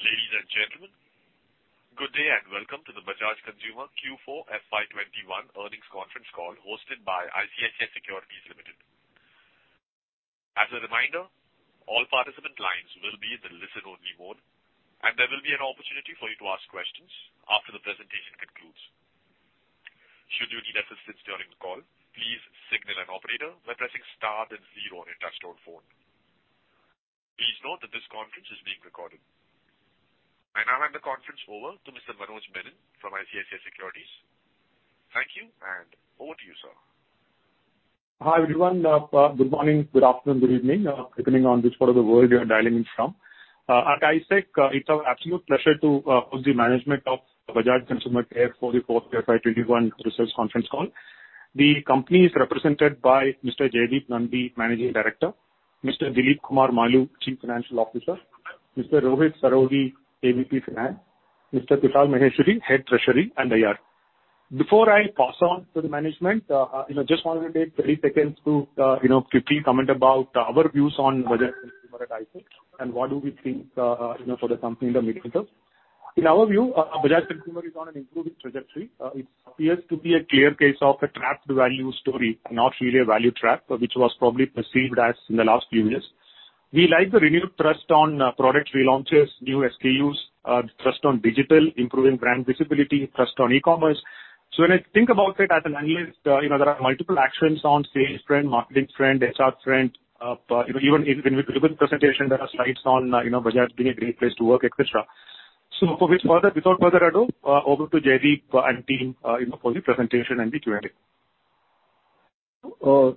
Ladies and gentlemen, good day and welcome to the Bajaj Consumer Care Q4 FY 2021 earnings conference call hosted by ICICI Securities Limited. As a reminder, all participant lines will be in the listen-only mode. And there will be an opportunity for you to ask questions after the presentation concludes. Should you need assistance during the call, please signal an operator by pressing star then zero on your touch-tone phone. Please note that this conference is being recorded. I now hand the conference over to Mr. Manoj Menon from ICICI Securities. Thank you, and over to you, sir. Hi, everyone. Good morning, good afternoon, good evening, depending on which part of the world you are dialing in from. At ICICI, it is our absolute pleasure to host the management of Bajaj Consumer Care for the fourth FY 2021 results conference call. The company is represented by Mr. Jaideep Nandi, Managing Director. Mr. Dilip Kumar Maloo, Chief Financial Officer. Mr. Rohit Saraogi, AVP - Finance. Mr. Kushal Maheshwari, Head Treasury and IR. Before I pass on to the management, I just wanted to take 30 seconds to quickly comment about our views on Bajaj Consumer at I-Sec and what do we think for the company in the medium term. In our view, Bajaj Consumer is on an improving trajectory. It appears to be a clear case of a trapped value story, not really a value trap, which was probably perceived as in the last few years. We like the renewed thrust on product relaunches, new SKUs, thrust on digital, improving brand visibility, thrust on e-commerce. When I think about it as an analyst, there are multiple actions on sales trend, marketing trend, HR trend. Even in [investor] presentation, there are slides on Bajaj being a Great Place to Work, et cetera. Without further ado, over to Jaideep and team for the presentation and the Q&A. Good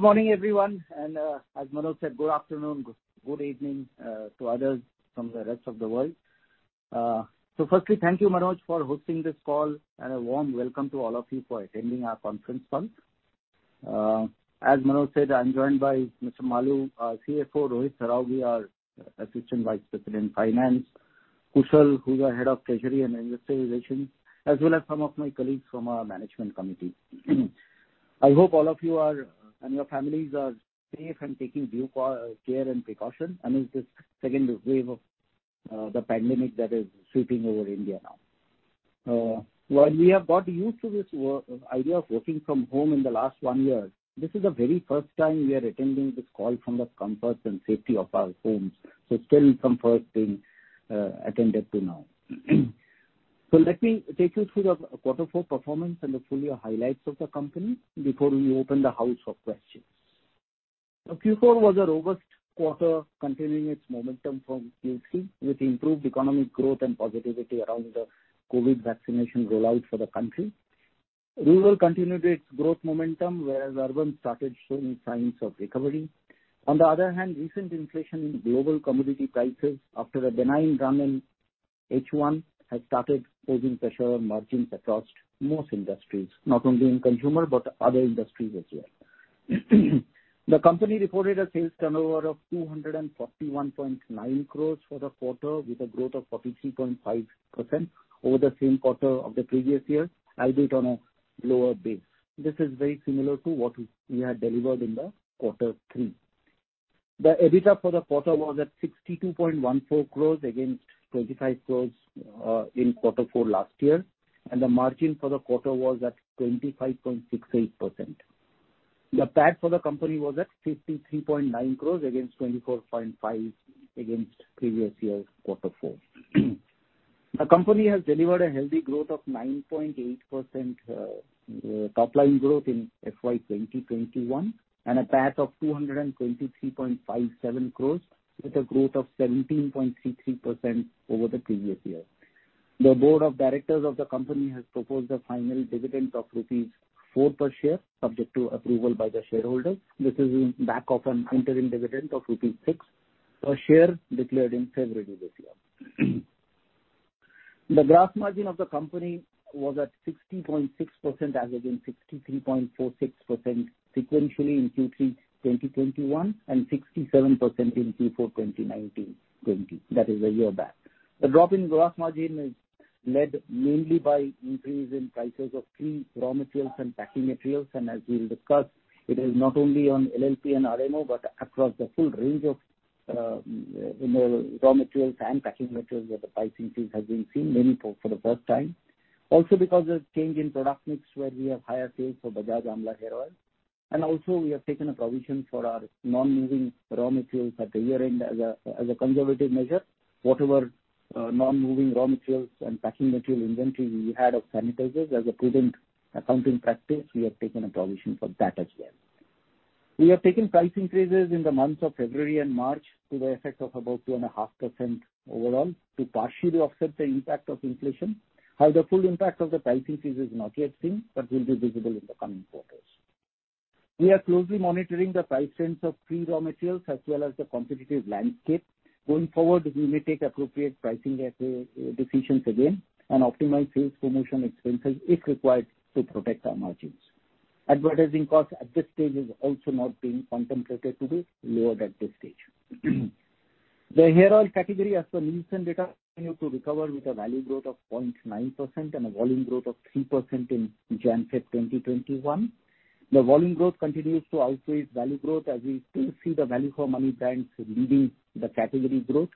morning, everyone, and as Manoj said, good afternoon, good evening to others from the rest of the world. Firstly, thank you, Manoj, for hosting this call, and a warm welcome to all of you for attending our conference call. As Manoj said, I'm joined by Mr. Maloo, our CFO, Rohit Saraogi, our Assistant Vice President, Finance, Kushal, our Head of Treasury and Investor Relations, as well as some of my colleagues from our management committee. I hope all of you are, and your families are safe and taking due care and precaution amidst this second wave of the pandemic that is sweeping over India now. While we have got used to this idea of working from home in the last one year, this is the very first time we are attending this call from the comfort and safety of our homes. Still some first being attended to now. Let me take you through the quarter four performance and the full year highlights of the company before we open the house for questions. Q4 was a robust quarter, continuing its momentum from Q3, with improved economic growth and positivity around the COVID vaccination rollout for the country. Rural continued its growth momentum, whereas urban started showing signs of recovery. On the other hand, recent inflation in global commodity prices after a benign run in H1 has started posing pressure on margins across most industries, not only in consumer, but other industries as well. The company reported a sales turnover of 241.9 crores for the quarter, with a growth of 43.5% over the same quarter of the previous year, albeit on a lower base. This is very similar to what we had delivered in the quarter three. The EBITDA for the quarter was at 62.14 crores against 25 crores in quarter four last year, and the margin for the quarter was at 25.68%. The PAT for the company was at 53.9 crores against 24.5 crores against previous year's quarter four. The company has delivered a healthy growth of 9.8% top-line growth in FY 2021, and a PAT of 223.57 crores with a growth of 17.33% over the previous year. The Board of Directors of the company has proposed a final dividend of rupees 4 per share, subject to approval by the shareholders. This is in back of an interim dividend of rupees 6 per share declared in February this year. The gross margin of the company was at 60.6%, as against 63.46% sequentially in Q3 2021, and 67% in Q4 2019/2020. That is a year back. The drop in gross margin is led mainly by increase in prices of key raw materials and packing materials, and as we'll discuss, it is not only on LLP and RMO, but across the full range of raw materials and packing materials where the price increase has been seen, mainly for the first time. Also because of change in product mix, where we have higher sales for Bajaj Amla Hair Oil. Also we have taken a provision for our non-moving raw materials at the year-end as a conservative measure. Whatever non-moving raw materials and packing material inventory we had of sanitizers, as a prudent accounting practice, we have taken a provision for that as well. We have taken price increases in the months of February and March to the effect of about 2.5% overall, to partially offset the impact of inflation. While the full impact of the price increase is not yet seen, but will be visible in the coming quarters. We are closely monitoring the price trends of key raw materials as well as the competitive landscape. Going forward, we may take appropriate pricing decisions again and optimize sales promotion expenses if required to protect our margins. Advertising cost at this stage is also not being contemplated to be lowered at this stage. The hair oil category, as per Nielsen data, continued to recover with a value growth of 0.9% and a volume growth of 3% in January-February 2021. The volume growth continues to outweigh value growth as we still see the value for money brands leading the category growth.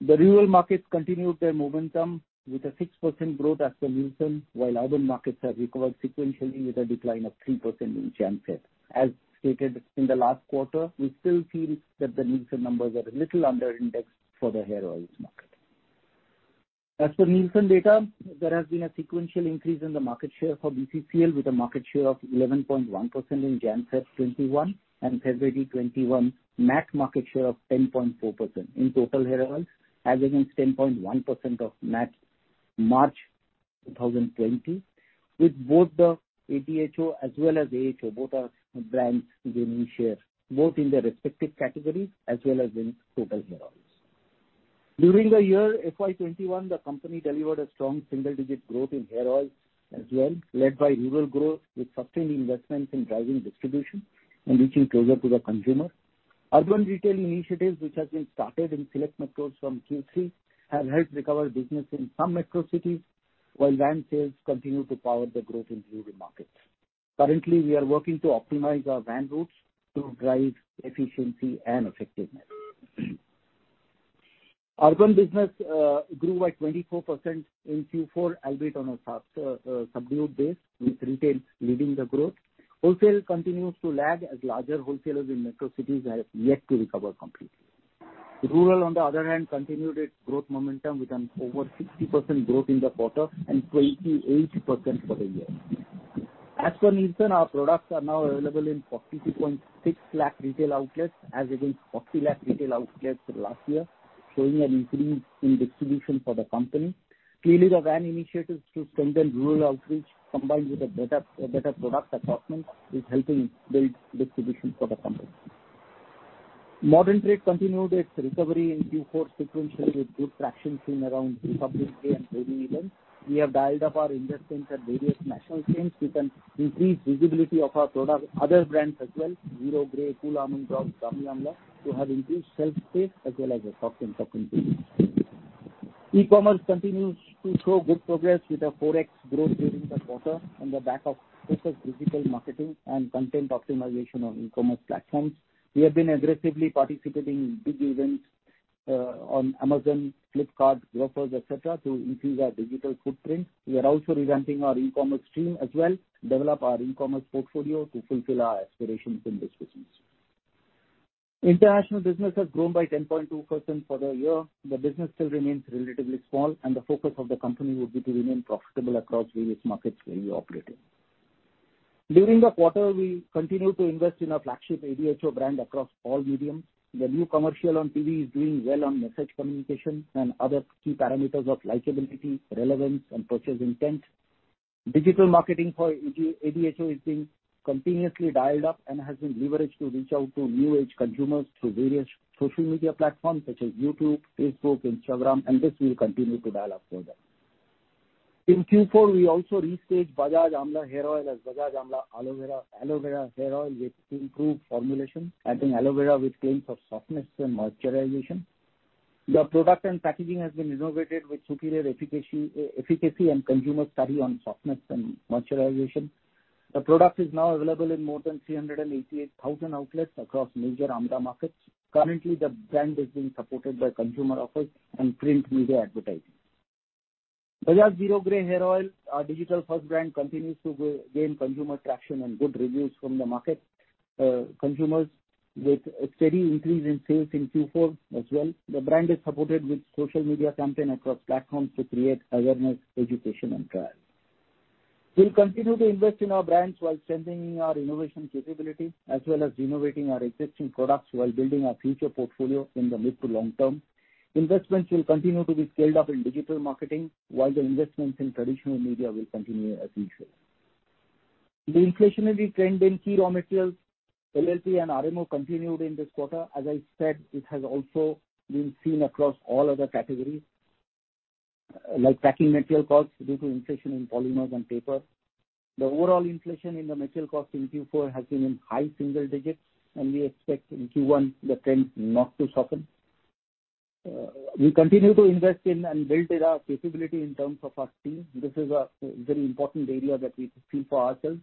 The rural markets continued their momentum with a 6% growth as per Nielsen, while urban markets have recovered sequentially with a decline of 3% in January-February. As stated in the last quarter, we still feel that the Nielsen numbers are a little under index for the hair oils market. As per Nielsen data, there has been a sequential increase in the market share for BCCL with a market share of 11.1% in January-February 2021, and February 2021, MAT market share of 10.4% in total hair oils, as against 10.1% of MAT March 2020, with both the ADHO as well as AHO, both our brands gaining share both in their respective categories as well as in total hair oils. During the year FY 2021, the company delivered a strong single-digit growth in hair oils as well, led by rural growth with sustained investments in driving distribution and reaching closer to the consumer. Urban retail initiatives, which have been started in select metros from Q3, have helped recover business in some metro cities while van sales continue to power the growth in rural markets. Currently, we are working to optimize our van routes to drive efficiency and effectiveness. Urban business grew at 24% in Q4, albeit on a subdued base, with retail leading the growth. Wholesale continues to lag as larger wholesalers in metro cities have yet to recover completely. Rural, on the other hand, continued its growth momentum with an over 60% growth in the quarter and 28% for the year. As per Nielsen, our products are now available in 42.6 lakh retail outlets as against 40 lakh retail outlets last year, showing an increase in distribution for the company. Clearly, the van initiatives to strengthen rural outreach combined with a better product assortment is helping build distribution for the company. Modern trade continued its recovery in Q4 sequentially with good traction seen around Republic Day and [Holi] events. We have dialed up our investments at various national schemes to increase visibility of our product, other brands as well, Zero Grey, Cool Almond Drops, Brahmi Amla, to have increased shelf space as well as assortment for companies. E-commerce continues to show good progress with a 4x growth during the quarter on the back of focused digital marketing and content optimization on e-commerce platforms. We have been aggressively participating in big events on Amazon, Flipkart, Grofers, et cetera, to increase our digital footprint. We are also revamping our e-commerce team as well, develop our e-commerce portfolio to fulfill our aspirations in this business. International business has grown by 10.2% for the year. The business still remains relatively small, and the focus of the company would be to remain profitable across various markets where we operate in. During the quarter, we continued to invest in our flagship ADHO brand across all mediums. The new commercial on TV is doing well on message communication and other key parameters of likeability, relevance, and purchase intent. Digital marketing for ADHO is being continuously dialed up and has been leveraged to reach out to new age consumers through various social media platforms such as YouTube, Facebook, Instagram, and this will continue to dial up further. In Q4, we also restaged Bajaj Amla Hair Oil as Bajaj Amla Aloe Vera Hair Oil with improved formulation, adding aloe vera with claims of softness and moisturization. The product and packaging has been innovated with superior efficacy and consumer study on softness and moisturization. The product is now available in more than 388,000 outlets across major amla markets. Currently, the brand is being supported by consumer offers and print media advertising. Bajaj Zero Grey Hair Oil, our digital-first brand, continues to gain consumer traction and good reviews from the market consumers with a steady increase in sales in Q4 as well. The brand is supported with social media campaign across platforms to create awareness, education, and trial. We'll continue to invest in our brands while strengthening our innovation capability as well as innovating our existing products while building our future portfolio in the mid to long term. Investments will continue to be scaled up in digital marketing while the investments in traditional media will continue as usual. The inflationary trend in key raw materials, LLP and RMO continued in this quarter. As I said, it has also been seen across all other categories like packing material costs due to inflation in polymers and paper. The overall inflation in the material cost in Q4 has been in high single digits. We expect in Q1 the trend not to soften. We continue to invest in and build our capability in terms of our team. This is a very important area that we feel for ourselves.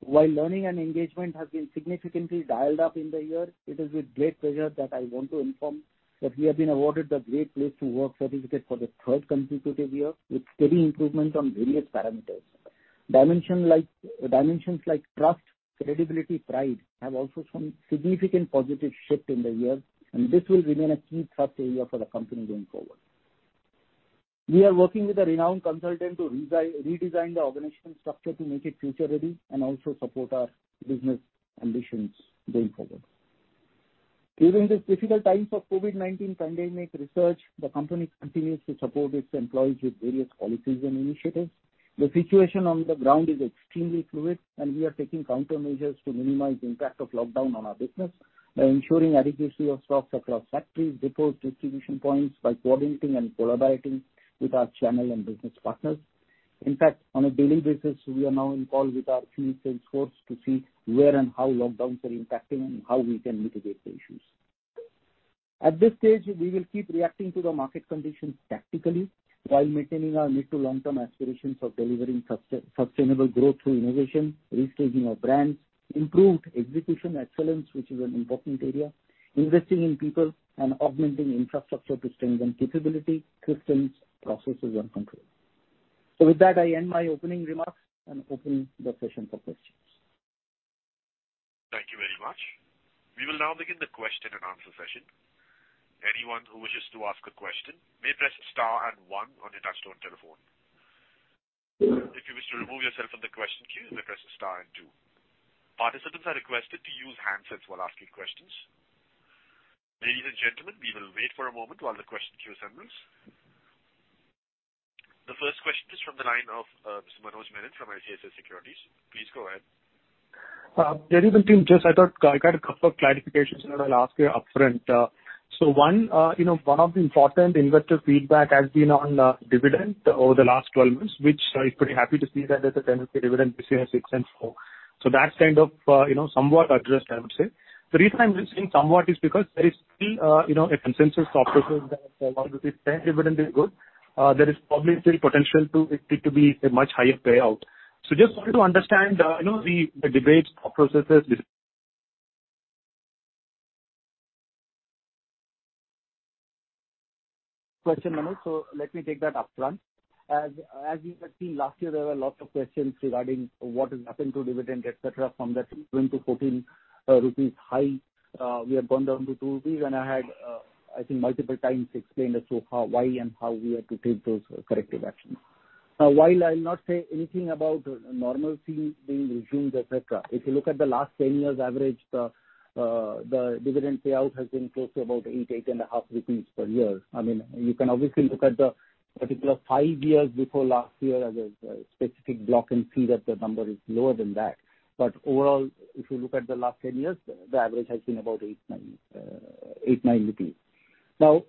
While learning and engagement has been significantly dialed up in the year, it is with great pleasure that I want to inform that we have been awarded the Great Place to Work certificate for the third consecutive year, with steady improvements on various parameters. Dimensions like trust, credibility, pride, have also shown significant positive shift in the year. This will remain a key thrust area for the company going forward. We are working with a renowned consultant to redesign the organizational structure to make it future-ready and also support our business ambitions going forward. During this difficult times of COVID-19 pandemic resurge, the company continues to support its employees with various policies and initiatives. The situation on the ground is extremely fluid, and we are taking countermeasures to minimize impact of lockdown on our business by ensuring adequacy of stocks across factories, depots, distribution points, by coordinating and collaborating with our channel and business partners. In fact, on a daily basis, we are now in call with our field sales force to see where and how lockdowns are impacting and how we can mitigate the issues. At this stage, we will keep reacting to the market conditions tactically while maintaining our mid- to long-term aspirations for delivering sustainable growth through innovation, restaging our brands, improved execution excellence, which is an important area, investing in people, and augmenting infrastructure to strengthen capability, systems, processes, and control. With that, I end my opening remarks and open the session for questions. Thank you very much. We will now begin the question and answer session. Anyone who wishes to ask a question may press star and one on your touch-tone telephone. If you wish to remove yourself from the question queue, you may press star and two. Participants are requested to use handsets while asking questions. Ladies and gentlemen, we will wait for a moment while the question queue assembles. The first question is from the line of Mr. Manoj Menon from ICICI Securities. Please go ahead. Good evening, team. I thought I got a couple of clarifications that I'll ask you upfront. One of the important investor feedback has been on dividend over the last 12 months, which I'm pretty happy to see that there's a INR 10 dividend this year, 6 and 4. That's kind of somewhat addressed, I would say. The reason I'm using somewhat is because there is still a consensus of people that while this INR 10 dividend is good, there is probably still potential for it to be a much higher payout. Just wanted to understand the debates, processes, decision- Question, Manoj. Let me take that upfront. As you would have seen last year, there were lots of questions regarding what is happening to dividend, et cetera, from that [11] to 14 rupees high. We have gone down to 2 rupees. I had, I think multiple times explained as to why and how we had to take those corrective actions. While I'll not say anything about normalcy being resumed, et cetera, if you look at the last 10 years average, the dividend payout has been close to about 8, 8.5 rupees per year. I mean, you can obviously look at the particular five years before last year as a specific block and see that the number is lower than that. Overall, if you look at the last 10 years, the average has been about 8 rupees, 9 rupees. Now,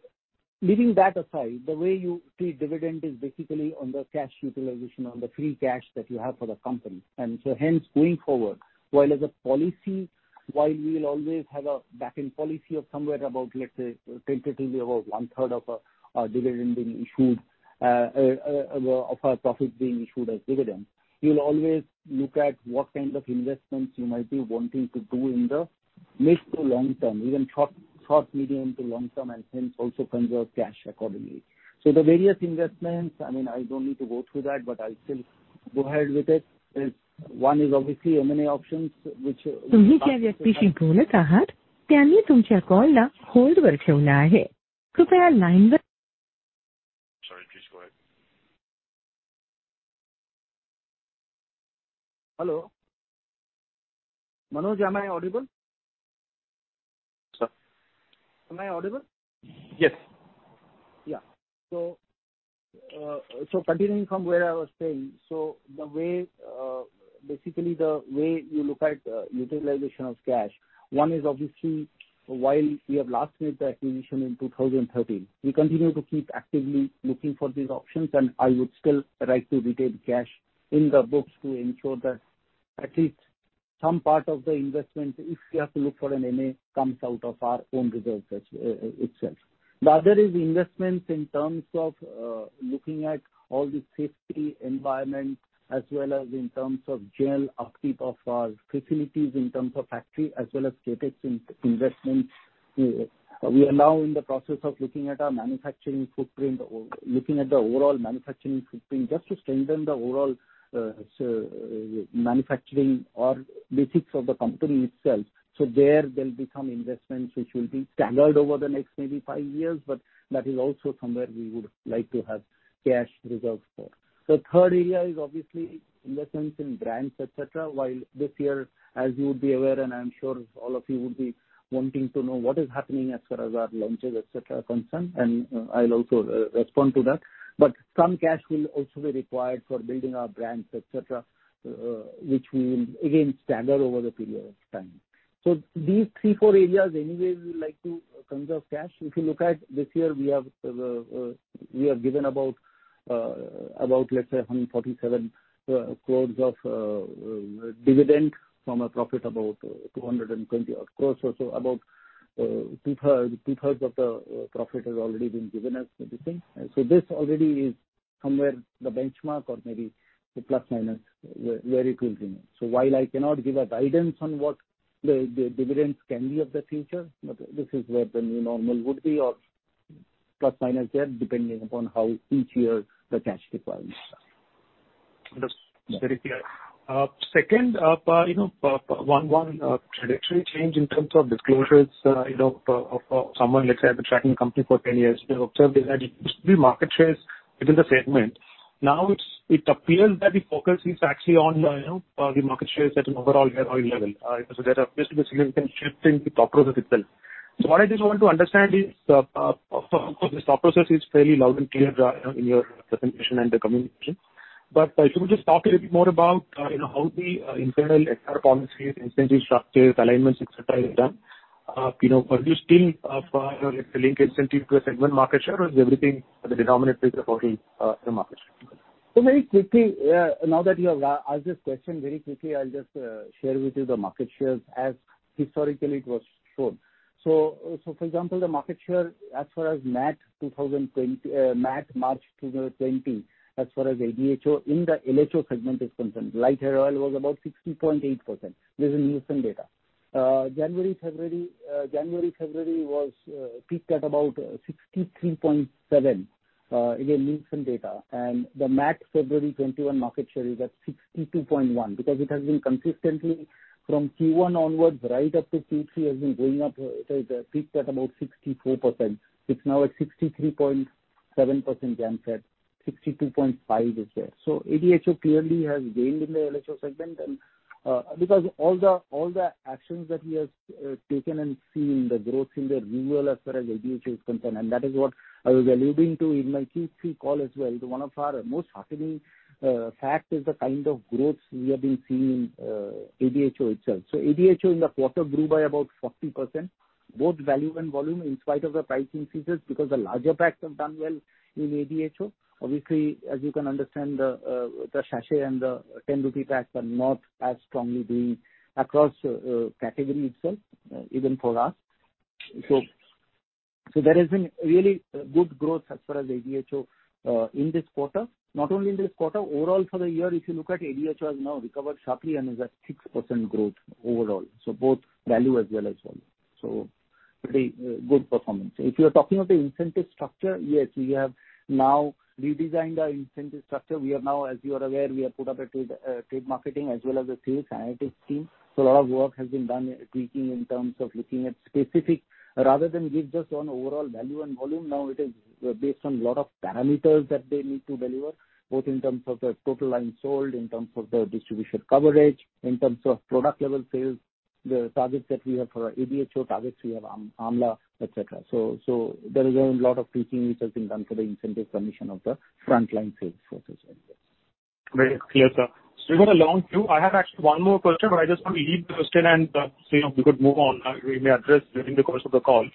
leaving that aside, the way you treat dividend is basically on the cash utilization, on the free cash that you have for the company. Going forward, while as a policy, while we'll always have a backend policy of somewhere about, let's say, tentatively about 1/3 of our dividend being issued, of our profit being issued as dividend. We will always look at what kind of investments you might be wanting to do in the mid to long term, even short, medium to long term, and hence also conserve cash accordingly. The various investments, I mean, I don't need to go through that, but I'll still go ahead with it. One is obviously M&A options. Sorry. Please go ahead. Hello. Manoj, am I audible? Sir. Am I audible? Yes. Continuing from where I was saying, basically the way you look at utilization of cash, one is obviously while we have last made the acquisition in 2013, we continue to keep actively looking for these options. I would still like to retain cash in the books to ensure that at least some part of the investment, if we have to look for an M&A, comes out of our own reserves itself. The other is investments in terms of looking at all the safety environment as well as in terms of general upkeep of our facilities in terms of factory as well as CapEx investments. We are now in the process of looking at our manufacturing footprint, looking at the overall manufacturing footprint just to strengthen the overall manufacturing or basics of the company itself. There, there'll be some investments which will be staggered over the next maybe five years, but that is also somewhere we would like to have cash reserves for. The third area is obviously investments in brands, et cetera. While this year, as you would be aware, and I'm sure all of you would be wanting to know what is happening as far as our launches, et cetera, are concerned, and I'll also respond to that. Some cash will also be required for building our brands, et cetera, which we will again stagger over the period of time. These three, four areas anyway we would like to conserve cash. If you look at this year, we have given about, let's say, 147 crores of dividend from a profit about 220 odd crores or so. About 2/3 of the profit has already been given as dividend. This already is somewhere the benchmark or maybe the plus minus where it will remain. While I cannot give a guidance on what the dividends can be of the future, but this is where the new normal would be or plus minus there, depending upon how each year the cash requirements are. That's very clear. Second, one trajectory change in terms of disclosures of someone, let's say, I've been tracking the company for 10 years. We have observed that usually market shares within the segment. Now it appears that the focus is actually on the market shares at an overall higher level. There appears to be a significant shift in the thought process itself. What I just want to understand is, of course, this thought process is fairly loud and clear in your presentation and the communication. If you could just talk a little bit more about how the internal HR policies, incentive structures, alignments, et cetera, is done. Are you still linking incentive to a segment market share or is everything, the denominator is the total market share? Very quickly, now that you have asked this question, very quickly, I'll just share with you the market shares as historically it was shown. For example, the market share as far as MAT March 2020, as far as ADHO in the LHO segment is concerned, light hair oil was about 60.8%. This is Nielsen data. January, February was peaked at about 63.7%, again, Nielsen data. The MAT February 2021 market share is at 62.1%, because it has been consistently from Q1 onwards, right up to Q3, has been going up. It has peaked at about 64%. It's now at 63.7% January-February, 62.5% is there. ADHO clearly has gained in the LHO segment and because all the actions that we have taken and seen the growth in the rural as far as ADHO is concerned, and that is what I was alluding to in my Q3 call as well. One of our most heartening fact is the kind of growth we have been seeing in ADHO itself. ADHO in the quarter grew by about 40%, both value and volume, in spite of the price increases because the larger packs have done well in ADHO. Obviously, as you can understand, the sachet and the 10 rupee packs are not as strongly doing across category itself even for us. There has been really good growth as far as ADHO in this quarter. Not only in this quarter, overall for the year if you look at ADHO has now recovered sharply and is at 6% growth overall. Both value as well as volume. Pretty good performance. If you're talking of the incentive structure, yes, we have now redesigned our incentive structure. We are now, as you are aware, we have put up a trade marketing as well as a sales analytics team. A lot of work has been done tweaking in terms of looking at specific rather than give just on overall value and volume. Now it is based on lot of parameters that they need to deliver, both in terms of the total lines sold, in terms of the distribution coverage, in terms of product level sales, the targets that we have for our ADHO targets, we have amla, et cetera. There is a lot of tweaking which has been done for the incentive commission of the frontline sales forces as well. Very clear, sir. We've got a long queue. I have actually one more question, but I just want to leave the question and see if we could move on. We may address during the course of the call.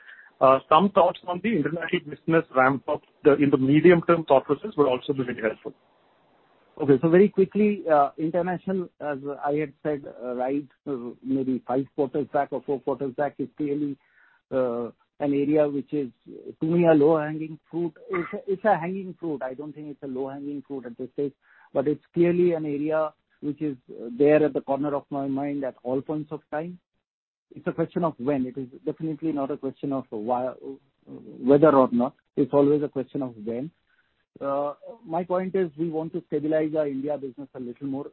Some thoughts on the international business ramp-up in the medium-term thought process would also be very helpful. Okay. Very quickly, international, as I had said, right, maybe five quarters back or four quarters back, is clearly an area which is, to me, a low-hanging fruit. It's a hanging fruit. I don't think it's a low-hanging fruit at this stage, but it's clearly an area which is there at the corner of my mind at all points of time. It's a question of when. It is definitely not a question of whether or not. It's always a question of when. My point is, we want to stabilize our India business a little more.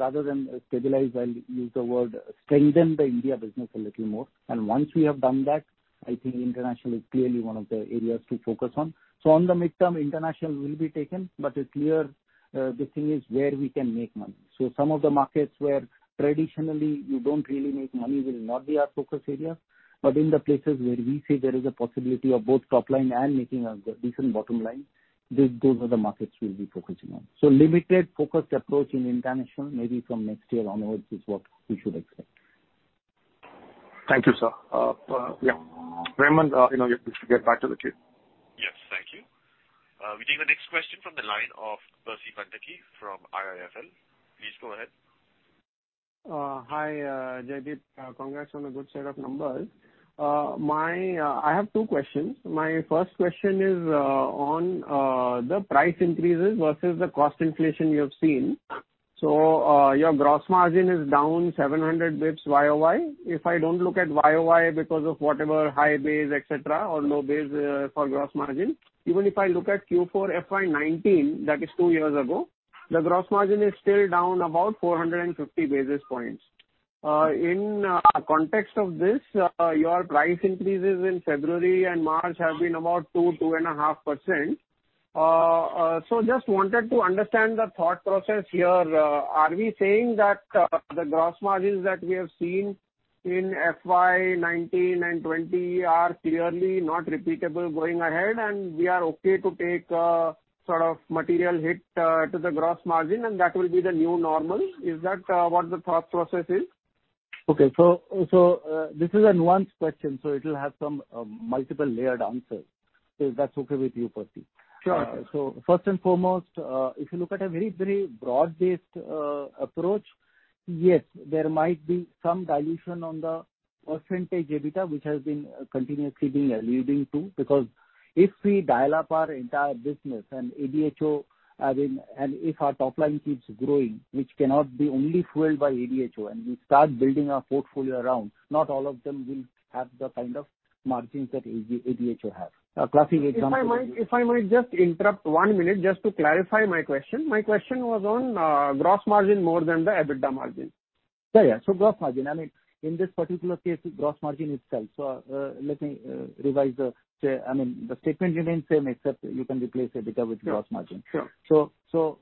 Rather than stabilize, I'll use the word strengthen the India business a little more. Once we have done that, I think international is clearly one of the areas to focus on. On the midterm, international will be taken, but it's clear the thing is where we can make money. Some of the markets where traditionally you don't really make money will not be our focus area. In the places where we see there is a possibility of both top line and making a decent bottom line, those are the markets we'll be focusing on. Limited focused approach in international, maybe from next year onwards is what we should expect. Thank you, sir. Yeah. Raymond, I know you have to get back to the queue. Yes. Thank you. We take the next question from the line of Percy Panthaki from IIFL. Please go ahead. Hi, Jaideep. Congrats on the good set of numbers. I have two questions. My first question is on the price increases versus the cost inflation you have seen. Your gross margin is down 700 basis points YoY. If I don't look at YoY because of whatever high base, et cetera, or low base for gross margin, even if I look at Q4 FY 2019, that is two years ago, the gross margin is still down about 450 basis points. In context of this, your price increases in February and March have been about 2%, 2.5%. Just wanted to understand the thought process here. Are we saying that the gross margins that we have seen in FY 2019 and FY 2020 are clearly not repeatable going ahead and we are okay to take a sort of material hit to the gross margin and that will be the new normal? Is that what the thought process is? Okay. This is a nuanced question, so it will have some multiple layered answers, if that's okay with you, Percy. Sure. First and foremost, if you look at a very broad-based approach, yes, there might be some dilution on the percentage EBITDA, which has been continuously being alluding to because if we dial up our entire business and ADHO, and if our top line keeps growing, which cannot be only fueled by ADHO, and we start building our portfolio around, not all of them will have the kind of margins that ADHO has. A classic example. If I might just interrupt one minute just to clarify my question. My question was on gross margin more than the EBITDA margin. Gross margin. In this particular case, it's gross margin itself. Let me revise. The statement remains same, except you can replace EBITDA with gross margin. Sure.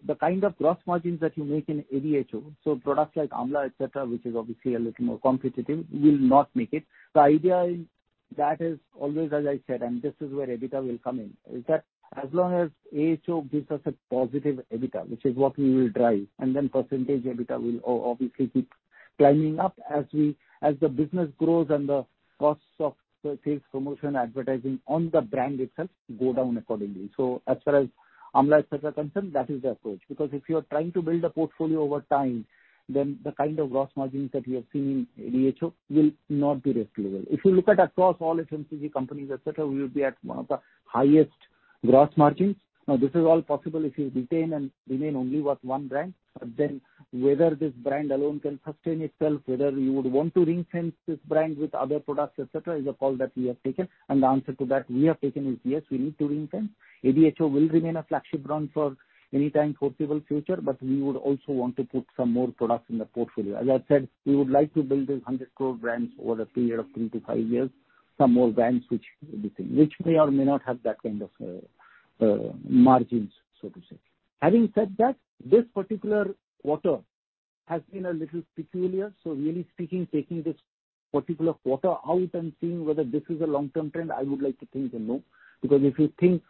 The kind of gross margins that you make in ADHO, so products like amla, et cetera, which is obviously a little more competitive, will not make it. The idea in that is always, as I said, and this is where EBITDA will come in, is that as long as ADHO gives us a positive EBITDA, which is what we will drive, and then percentage EBITDA will obviously keep climbing up as the business grows and the costs of the sales promotion advertising on the brand itself go down accordingly. As far as amla et cetera are concerned, that is the approach. If you are trying to build a portfolio over time, then the kind of gross margins that we have seen in ADHO will not be sustainable. If you look at across all FMCG companies, et cetera, we would be at one of the highest gross margins. This is all possible if you retain and remain only with one brand. Whether this brand alone can sustain itself, whether you would want to ring-fence this brand with other products et cetera, is a call that we have taken, and the answer to that we have taken is yes, we need to ring-fence. ADHO will remain a flagship brand for any time foreseeable future, but we would also want to put some more products in the portfolio. As I said, we would like to build these 100 crore brands over a period of three to five years, some more brands which may or may not have that kind of margins. Having said that, this particular quarter has been a little peculiar. Really speaking, taking this particular quarter out and seeing whether this is a long-term trend, I would like to think a no. If you think,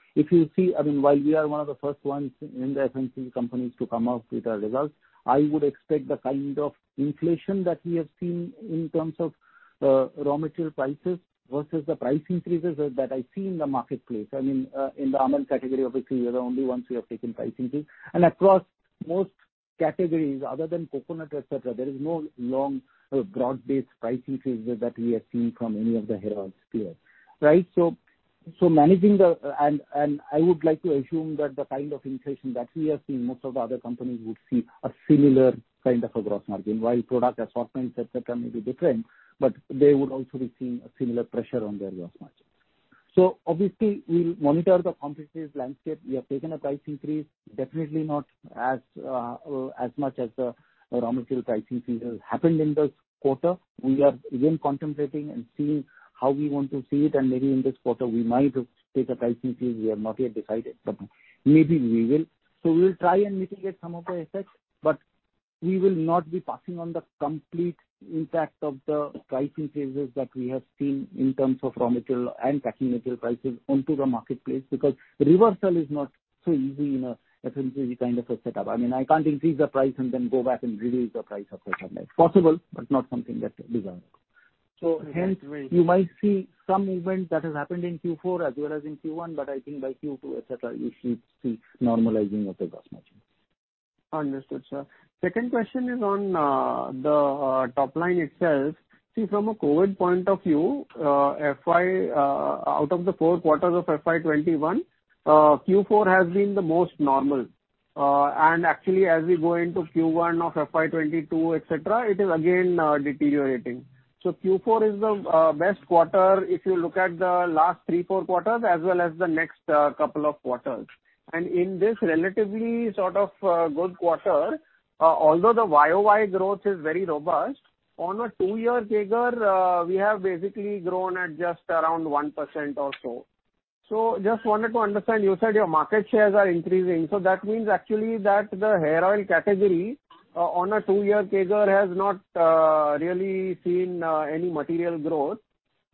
while we are one of the first ones in the FMCG companies to come out with our results, I would expect the kind of inflation that we have seen in terms of raw material prices versus the price increases that I see in the marketplace. In the almond category, obviously, we are the only ones who have taken price increase. Across most categories, other than coconut, etcetera, there is no long broad-based price increases that we have seen from any of the hair oil sphere. I would like to assume that the kind of inflation that we have seen, most of the other companies would see a similar kind of a gross margin. While product assortment may be different, but they would also be seeing a similar pressure on their gross margins. Obviously, we'll monitor the competitive landscape. We have taken a price increase, definitely not as much as the raw material price increase has happened in this quarter. We are again contemplating and seeing how we want to see it, and maybe in this quarter, we might take a price increase. We have not yet decided, but maybe we will. We'll try and mitigate some of the effects, but we will not be passing on the complete impact of the price increases that we have seen in terms of raw material and packing material prices onto the marketplace, because reversal is not so easy in a FMCG kind of a setup. I can't increase the price and then go back and reduce the price after some time, possible but not something that is desirable. Hence, you might see some movement that has happened in Q4 as well as in Q1, but I think by Q2 etcetera, you should see normalizing of the gross margin. Understood, sir. Second question is on the top line itself. From a COVID point of view, out of the four quarters of FY 2021, Q4 has been the most normal. Actually, as we go into Q1 of FY 2022, etcetera, it is again deteriorating. Q4 is the best quarter if you look at the last three, four quarters, as well as the next couple of quarters. In this relatively sort of good quarter, although the YoY growth is very robust, on a two-year CAGR, we have basically grown at just around 1% or so. Just wanted to understand, you said your market shares are increasing. That means actually that the hair oil category on a two-year CAGR has not really seen any material growth.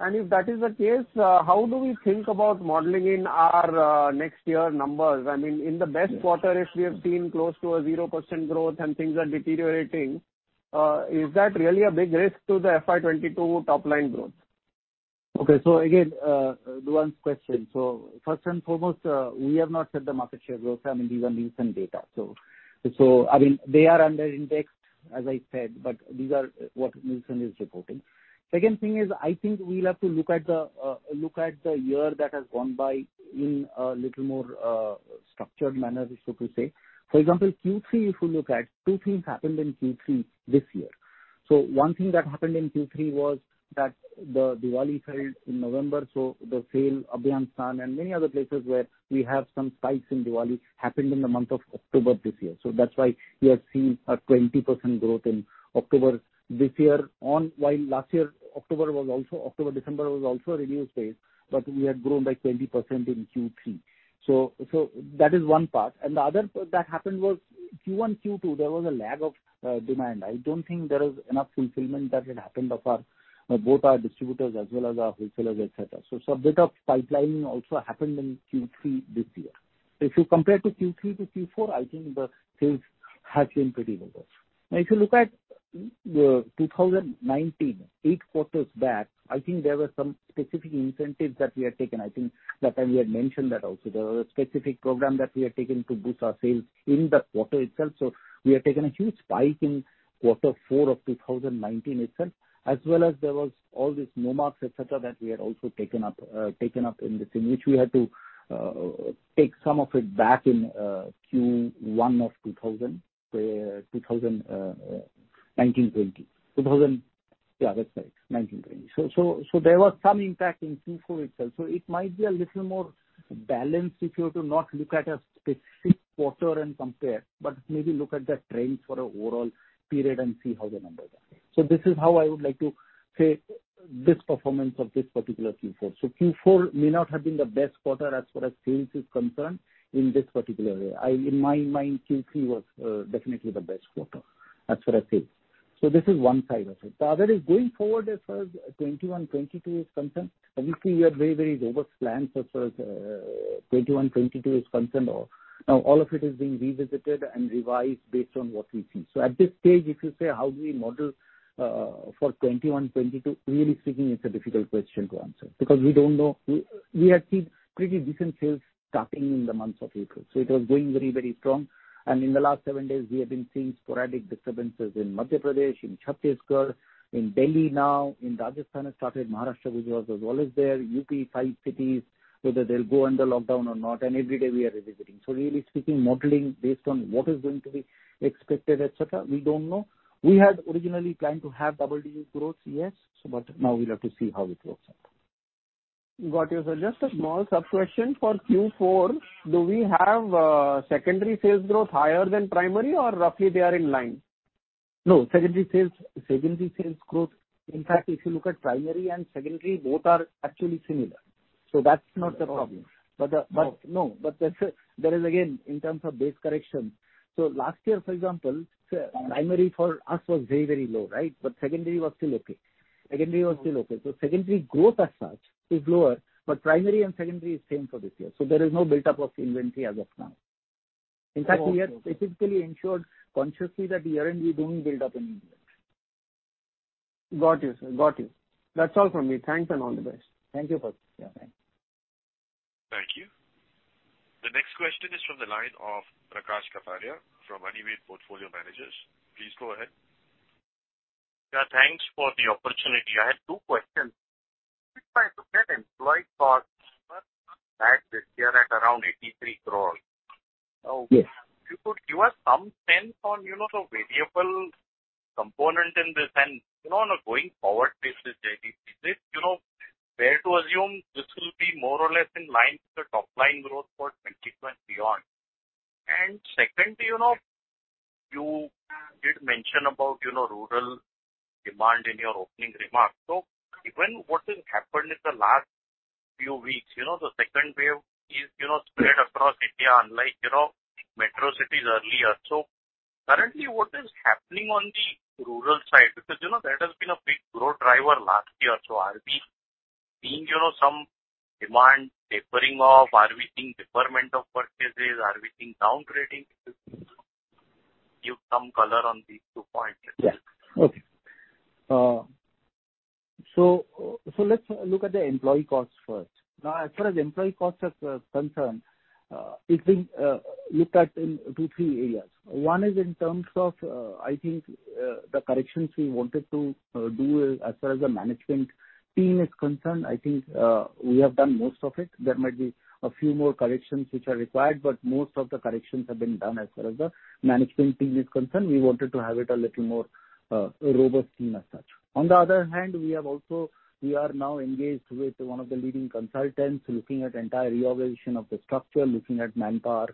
If that is the case, how do we think about modeling in our next year numbers? In the best quarter, if we have seen close to a 0% growth and things are deteriorating, is that really a big risk to the FY 2022 top line growth? Okay. Again, nuanced question. First and foremost, we have not set the market share growth. These are Nielsen data. They are under index, as I said, but these are what Nielsen is reporting. Second thing is, I think we'll have to look at the year that has gone by in a little more structured manner, so to say. For example, Q3, if you look at, two things happened in Q3 this year. One thing that happened in Q3 was that the Diwali sales in November, so the sale Abhyanga Snan and many other places where we have some spikes in Diwali happened in the month of October this year. That's why we have seen a 20% growth in October this year on, while last year October, December was also a renewal phase, but we had grown by 20% in Q3. That is one part. The other that happened was Q1, Q2, there was a lag of demand. I don't think there is enough fulfillment that had happened of both our distributors as well as our wholesalers, etcetera. Bit of pipelining also happened in Q3 this year. If you compare to Q3 to Q4, I think the sales have been pretty robust. If you look at 2019, eight quarters back, I think there were some specific incentives that we had taken. I think that time we had mentioned that also. There was a specific program that we had taken to boost our sales in the quarter itself. We had taken a huge spike in quarter four of 2019 itself, as well as there was all this Nomarks ,et cetera, that we had also taken up in this, in which we had to take some of it back in Q1 of 2019-2020. Yeah, that's right, 2019-2020. There was some impact in Q4 itself. It might be a little more balanced if you were to not look at a specific quarter and compare, but maybe look at the trends for the overall period and see how the numbers are. This is how I would like to say this performance of this particular Q4. Q4 may not have been the best quarter as far as sales is concerned in this particular year. In my mind, Q3 was definitely the best quarter as far as sales. This is one side of it. The other is going forward as far as 2021, 2022 is concerned, obviously we have very, very robust plans as far as 2021, 2022 is concerned. All of it is being revisited and revised based on what we see. At this stage, if you say, how do we model for 2021, 2022, really speaking, it's a difficult question to answer because we don't know. We had seen pretty decent sales starting in the month of April. It was going very strong. In the last seven days we have been seeing sporadic disturbances in Madhya Pradesh, in Chhattisgarh, in Delhi now, in Rajasthan it started, Maharashtra which was as well as there, UP five cities, whether they'll go under lockdown or not, and every day we are revisiting. Really speaking, modeling based on what is going to be expected, et cetera, we don't know. We had originally planned to have double-digit growth, yes, but now we'll have to see how it works out. Got you, sir. Just a small sub-question. For Q4, do we have secondary sales growth higher than primary or roughly they are in line? No. Secondary sales growth, in fact, if you look at primary and secondary, both are actually similar. That's not the problem. There is again, in terms of base correction. Last year, for example, primary for us was very low, right? Secondary was still okay. Secondary growth as such is lower, but primary and secondary is same for this year. There is no buildup of inventory as of now. In fact, we have specifically ensured consciously that year-on-year we don't build up any inventory. Got you, sir. That's all from me. Thanks and all the best. Thank you, Percy. Thank you. The next question is from the line of Prakash Kapadia from Anived Portfolio Managers. Please go ahead. Yeah, thanks for the opportunity. I had two questions. trying to get employee costs back this year at around 83 crore. Yes. If you could give us some sense on the variable component in this and on a going forward basis, Jaideep, is it fair to assume this will be more or less in line with the top-line growth for 2020 and beyond? Secondly, you did mention about rural demand in your opening remarks. Given what has happened in the last few weeks, the second wave is spread across India unlike metro cities earlier. Currently what is happening on the rural side because that has been a big growth driver last year. Are we seeing some demand tapering off? Are we seeing deferment of purchases? Are we seeing downgrading? If you could give some color on these two points. Yeah. Okay. Let's look at the employee cost first. Now as far as employee costs are concerned, it will look at in two, three areas. One is in terms of I think the corrections we wanted to do as far as the management team is concerned, I think we have done most of it. There might be a few more corrections which are required, but most of the corrections have been done as far as the management team is concerned. We wanted to have it a little more robust team as such. On the other hand, we are now engaged with one of the leading consultants looking at entire reorganization of the structure, looking at manpower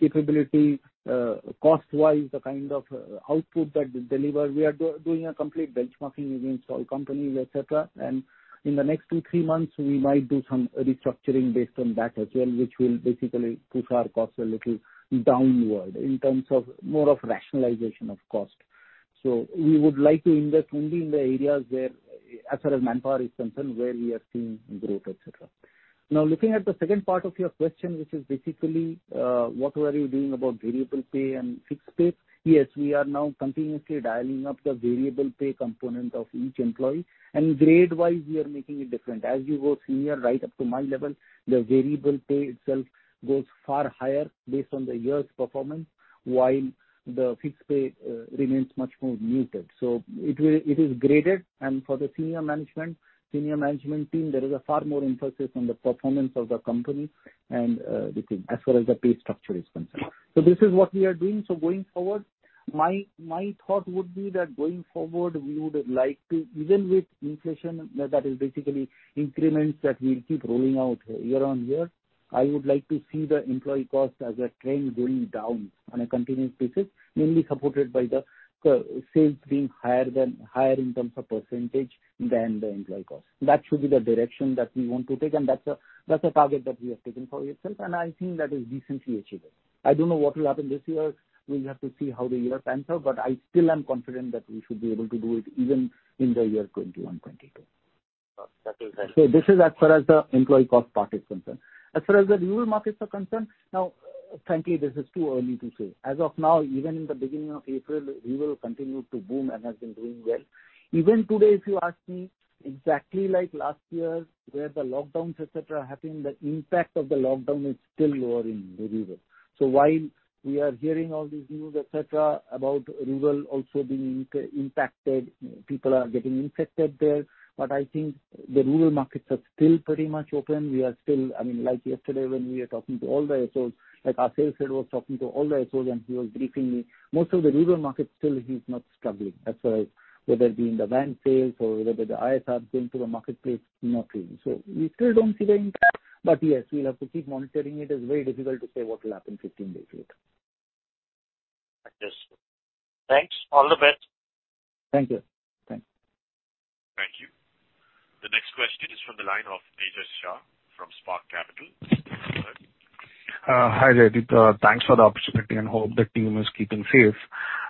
capability, cost-wise, the kind of output that they deliver. We are doing a complete benchmarking against all companies, et cetera. In the next two, three months, we might do some restructuring based on that as well, which will basically push our costs a little downward in terms of more of rationalization of cost. We would like to invest only in the areas where, as far as manpower is concerned, where we are seeing growth, et cetera. Now looking at the second part of your question, which is basically what were you doing about variable pay and fixed pay? Yes, we are now continuously dialing up the variable pay component of each employee. Grade-wise we are making it different. As you go senior right up to my level, the variable pay itself goes far higher based on the year's performance while the fixed pay remains much more muted. It is graded and for the senior management team, there is a far more emphasis on the performance of the company as far as the pay structure is concerned. This is what we are doing. Going forward, my thought would be that going forward we would like to even with inflation, that is basically increments that we'll keep rolling out year-on-year. I would like to see the employee cost as a trend going down on a continuous basis, mainly supported by the sales being higher in terms of percentage than the employee cost. That should be the direction that we want to take and that's a target that we have taken for itself and I think that is decently achievable. I don't know what will happen this year. We'll have to see how the year pans out, but I still am confident that we should be able to do it even in the year 2021, 2022. That is understood. This is as far as the employee cost part is concerned. As far as the rural markets are concerned, now frankly this is too early to say. As of now even in the beginning of April, rural continued to boom and has been doing well. Even today if you ask me exactly like last year where the lockdowns, et cetera happened, the impact of the lockdown is still lower in the rural. While we are hearing all these news, et cetera, about rural also being impacted, people are getting infected there. I think the rural markets are still pretty much open. We are still, I mean like yesterday when we were talking to all the SOs, like our sales head was talking to all the SOs and he was briefing me. Most of the rural markets still it's not struggling as far as whether it be in the van sales or whether the ISR going to the marketplace, nothing. We still don't see the impact. Yes we'll have to keep monitoring it. It is very difficult to say what will happen 15 days later. Understood. Thanks, all the best. Thank you. Thank you. The next question is from the line of Tejas Shah from Spark Capital. Please go ahead. Hi, Jaideep. Thanks for the opportunity, and hope the team is keeping safe.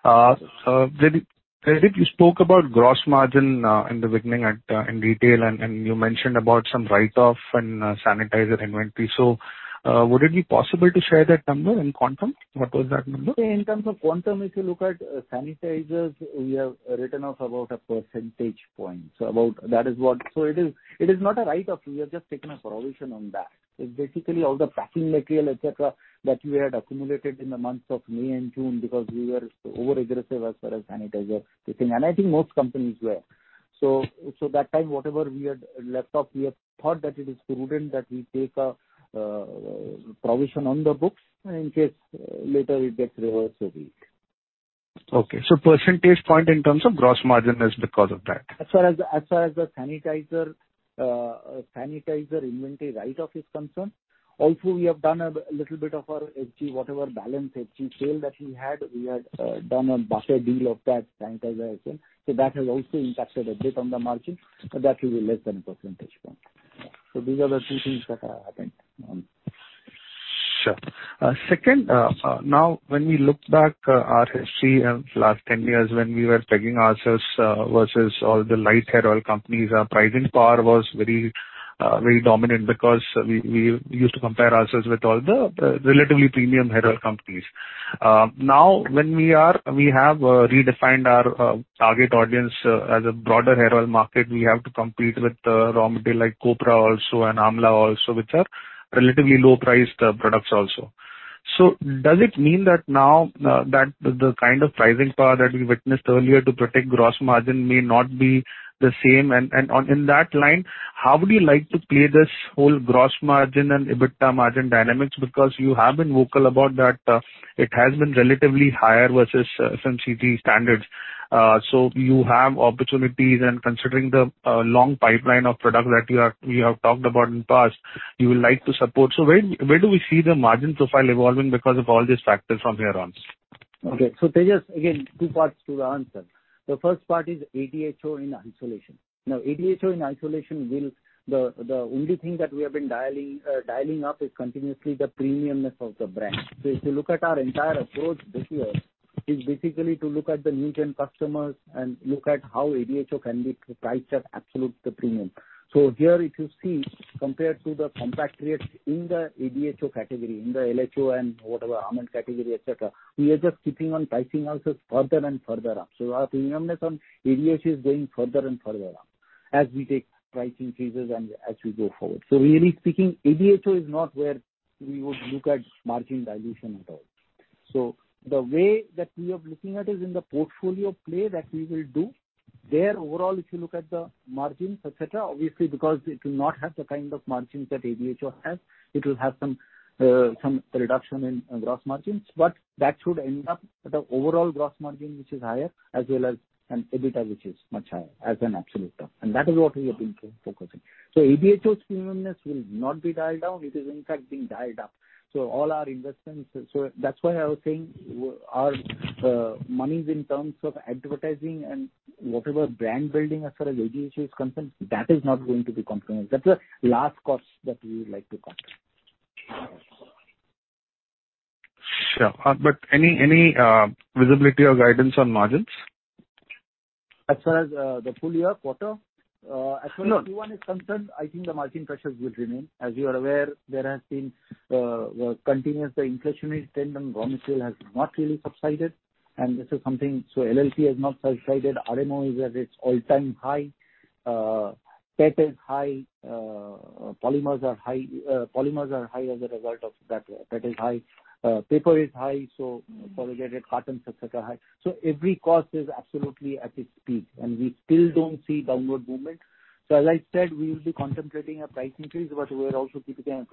Jaideep, you spoke about gross margin in the beginning in detail, and you mentioned about some write-off in sanitizer inventory. Would it be possible to share that number in quantum? What was that number? In terms of quantum, if you look at sanitizers, we have written off about a percentage point. It is not a write-off. We have just taken a provision on that. It's basically all the packing material, et cetera, that we had accumulated in the months of May and June because we were over-aggressive as far as sanitizer is concerned, and I think most companies were. That time, whatever we had left off, we had thought that it is prudent that we take a provision on the books in case later it gets reversed. Okay. Percentage point in terms of gross margin is because of that. As far as the sanitizer inventory write-off is concerned, also we have done a little bit of our HG, whatever balanced HG sale that we had, we had done a bulk deal of that sanitizer as well. That has also impacted a bit on the margin. That will be less than a percentage point. These are the two things that are happening. Sure. Second, now when we look back our history of last 10 years when we were pegging ourselves versus all the light hair oil companies, our pricing power was very dominant because we used to compare ourselves with all the relatively premium hair oil companies. Now, when we have redefined our target audience as a broader hair oil market, we have to compete with raw material like copra also and amla also, which are relatively low-priced products also. Does it mean that now that the kind of pricing power that we witnessed earlier to protect gross margin may not be the same? In that line, how would you like to play this whole gross margin and EBITDA margin dynamics? Because you have been vocal about that it has been relatively higher versus FMCG standards. You have opportunities and considering the long pipeline of product that you have talked about in the past, you would like to support. Where do we see the margin profile evolving because of all these factors from here on? Okay. Tejas, again, two parts to the answer. The first part is ADHO in isolation. ADHO in isolation, the only thing that we have been dialing up is continuously the premiumness of the brand. If you look at our entire approach this year, is basically to look at the new-gen customers and look at how ADHO can be priced at absolute the premium. Here, if you see, compared to the compatriots in the ADHO category, in the LHO and whatever almond category, et cetera, we are just keeping on pricing ourselves further and further up. Our premiumness on ADHO is going further and further up as we take price increases and as we go forward. Really speaking, ADHO is not where we would look at margin dilution at all. The way that we are looking at is in the portfolio play that we will do. There, overall, if you look at the margins, et cetera, obviously, because it will not have the kind of margins that ADHO has, it will have some reduction in gross margins, but that should end up at an overall gross margin, which is higher, as well as an EBITDA, which is much higher as an absolute term, and that is what we have been focusing. ADHO's premiumness will not be dialed down. It is in fact being dialed up. That's why I was saying our monies in terms of advertising and whatever brand building as far as ADHO is concerned, that is not going to be compromised. That's the last cost that we would like to cut. Sure. Any visibility or guidance on margins? As far as the full year quarter? No. As far as Q1 is concerned, I think the margin pressures will remain. As you are aware, there has been a continuous inflationary trend. Raw material has not really subsided. LLP has not subsided. RMO is at its all-time high. PET is high. Polymers are high as a result of that. PET is high. Paper is high. Corrugated carton, et cetera, high. Every cost is absolutely at its peak. We still don't see downward movement. As I said, we will be contemplating a price increase. We're also keeping a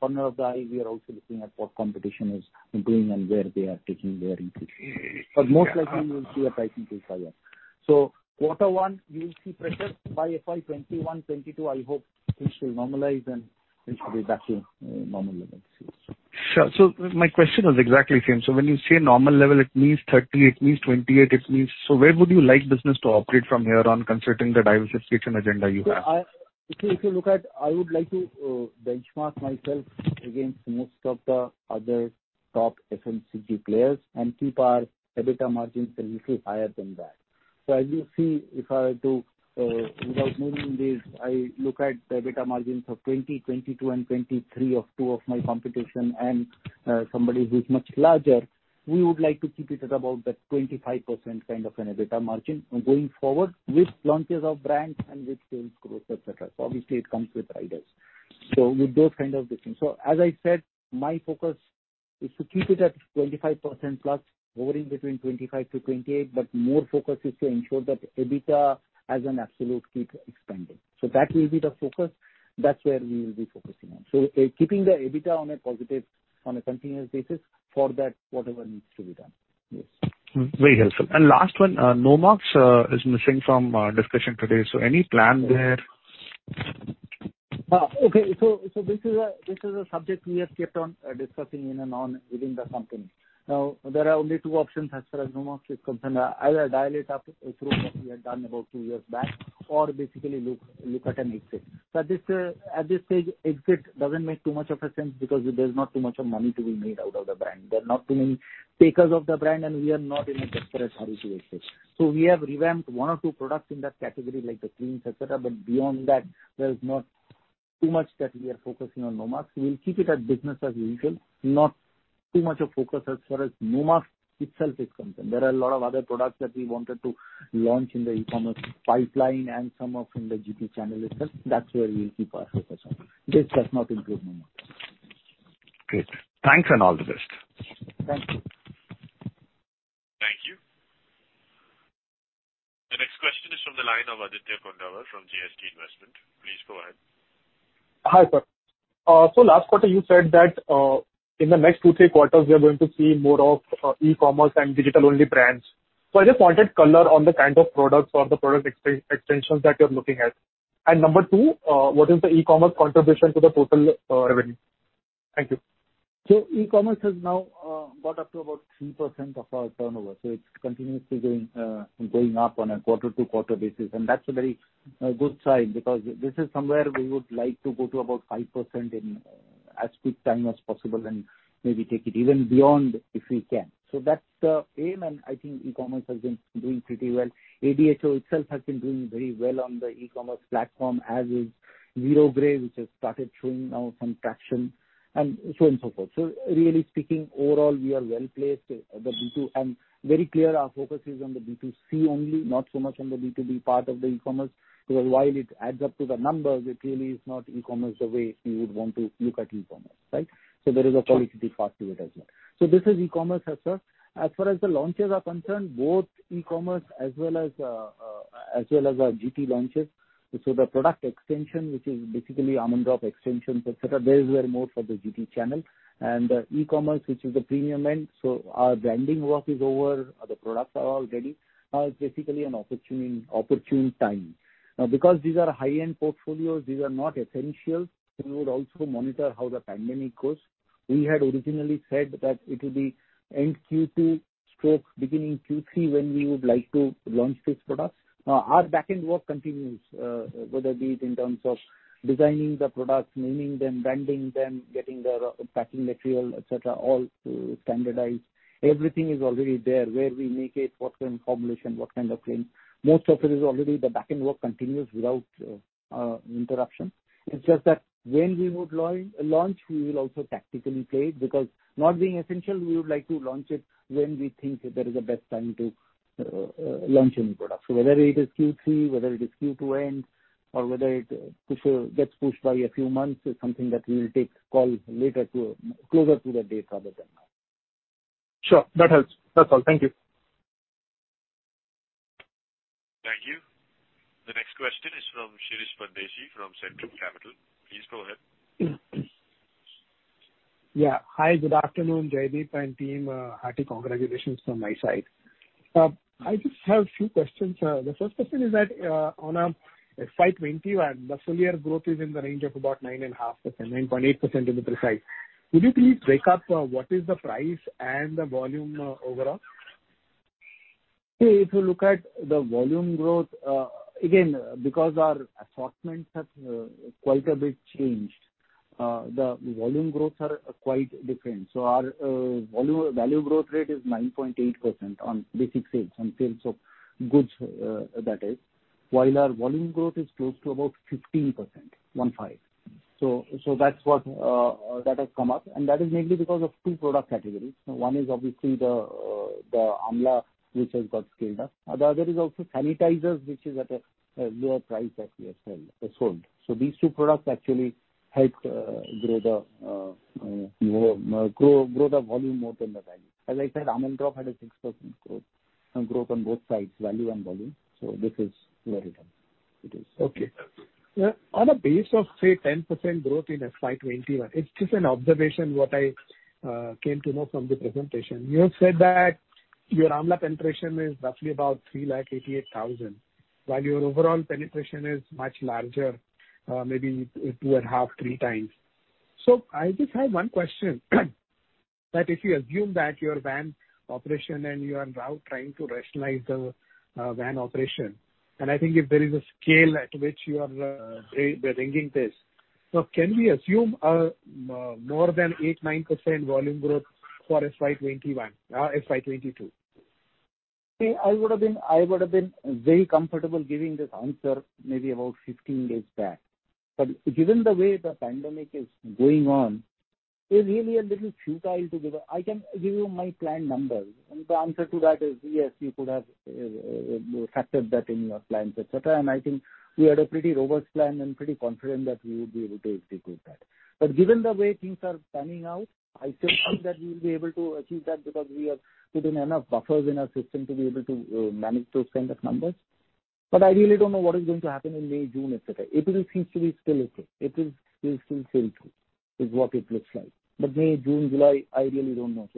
corner of the eye. We are also looking at what competition is doing and where they are taking their increase. Most likely we will see a price increase by us. Quarter one, we will see pressure. By FY 2021, 2022, I hope things will normalize and things will be back to normal levels. Sure. My question was exactly same. When you say normal level, it means 30%, it means 28%. Where would you like business to operate from here on considering the diversification agenda you have? If you look at, I would like to benchmark myself against most of the other top FMCG players and keep our EBITDA margins a little higher than that. As you see, if I were to, without naming names, I look at the EBITDA margins of 20%, 22%, and 23% of two of my competition and somebody who's much larger, we would like to keep it at about that 25% kind of an EBITDA margin going forward with launches of brands and with sales growth, et cetera. Obviously it comes with riders. With those kind of distinctions. As I said, my focus is to keep it at 25%+, hovering between 25%-28%, but more focus is to ensure that EBITDA as an absolute keep expanding. That will be the focus. That's where we will be focusing on. Keeping the EBITDA on a continuous basis for that whatever needs to be done. Yes. Very helpful. Last one, Nomarks is missing from discussion today. Any plan there? Okay. This is a subject we have kept on discussing in and on within the company. There are only two options as far as Nomarks is concerned. Either dial it up through what we had done about two years back, or basically look at an exit. At this stage, exit doesn't make too much of a sense because there's not too much of money to be made out of the brand. There are not too many takers of the brand, and we are not in a desperate hurry to exit. We have revamped one or two products in that category, like the creams, et cetera, but beyond that, there's not too much that we are focusing on Nomarks. We'll keep it as business as usual, not too much of focus as far as Nomarks itself is concerned. There are a lot of other products that we wanted to launch in the e-commerce pipeline and some of them in the GT channel itself. That's where we'll keep our focus on. This does not include Nomarks. Great. Thanks and all the best. Thank you. Thank you. The next question is from the line of Aditya Kondawar from JST Investments. Please go ahead. Hi, sir. Last quarter you said that in the next two, three quarters, we are going to see more of e-commerce and digital-only brands. I just wanted color on the kind of products or the product extensions that you're looking at. Number two, what is the e-commerce contribution to the total revenue? Thank you. E-commerce has now got up to about 3% of our turnover. It's continuously going up on a quarter-to-quarter basis. That's a very good sign because this is somewhere we would like to go to about 5% in as quick time as possible and maybe take it even beyond if we can. That's the aim, and I think e-commerce has been doing pretty well. ADHO itself has been doing very well on the e-commerce platform, as is Zero Grey, which has started showing now some traction, and so on and so forth. Really speaking, overall, we are well-placed. Very clear, our focus is on the B2C only, not so much on the B2B part of the e-commerce, because while it adds up to the numbers, it really is not e-commerce the way we would want to look at e-commerce, right? There is a qualitative part to it as well. This is e-commerce as such. As far as the launches are concerned, both e-commerce as well as our GT launches. The product extension, which is basically Almond Drops extensions, et cetera, those were more for the GT channel. E-commerce, which is the premium end, our branding work is over. The products are all ready. It's basically an opportune time. Because these are high-end portfolios, these are not essential. We would also monitor how the pandemic goes. We had originally said that it will be end Q2, stroke, beginning Q3 when we would like to launch this product. Our back end work continues, whether it be in terms of designing the products, naming them, branding them, getting the packing material, et cetera, all standardized. Everything is already there, where we make it, what kind of formulation, what kind of claims. Most of it is already the backend work continues without interruption. It's just that when we would launch, we will also tactically play it because not being essential, we would like to launch it when we think that is the best time to launch any product. Whether it is Q3, whether it is Q2 end, or whether it gets pushed by a few months is something that we will take call later, closer to the date rather than now. Sure. That helps. That's all. Thank you. Thank you. The next question is from Shirish Pardeshi from Centrum Capital. Please go ahead. Yeah. Hi, good afternoon, Jaideep and team. Hearty congratulations from my side. I just have a few questions. The first question is that on a FY 2020 where the full year growth is in the range of about 9.5%, 9.8% to be precise, could you please break up what is the price and the volume overall? If you look at the volume growth, again, because our assortments have quite a bit changed, the volume growths are quite different. Our value growth rate is 9.8% on basic sales, on sales of goods that is. While our volume growth is close to about 15%, 15. That has come up, and that is mainly because of two product categories. One is obviously the amla, which has got scaled up. The other is also sanitizers, which is at a lower price that we have sold. These two products actually helped grow the volume more than the value. As I said, Almond Drops had a 6% growth on both sides, value and volume. This is where it is. Okay. On a base of, say, 10% growth in FY 2021, it's just an observation what I came to know from the presentation. You have said that your amla penetration is roughly about 388,000, while your overall penetration is much larger, maybe 2.5x, 3x. I just have one question, that if you assume that your van operation and you are now trying to rationalize the van operation, and I think if there is a scale at which you are bringing this. Can we assume a more than 8%, 9% volume growth for FY 2022? I would have been very comfortable giving this answer maybe about 15 days back. Given the way the pandemic is going on, it's really a little futile to give. I can give you my planned numbers, and the answer to that is yes, you could have factored that in your plans, et cetera, and I think we had a pretty robust plan and pretty confident that we would be able to execute that. Given the way things are panning out, I still hope that we will be able to achieve that because we have put in enough buffers in our system to be able to manage those kind of numbers. I really don't know what is going to happen in May, June, et cetera. April seems to be still okay. April will still sail through, is what it looks like. May, June, July, I really don't know.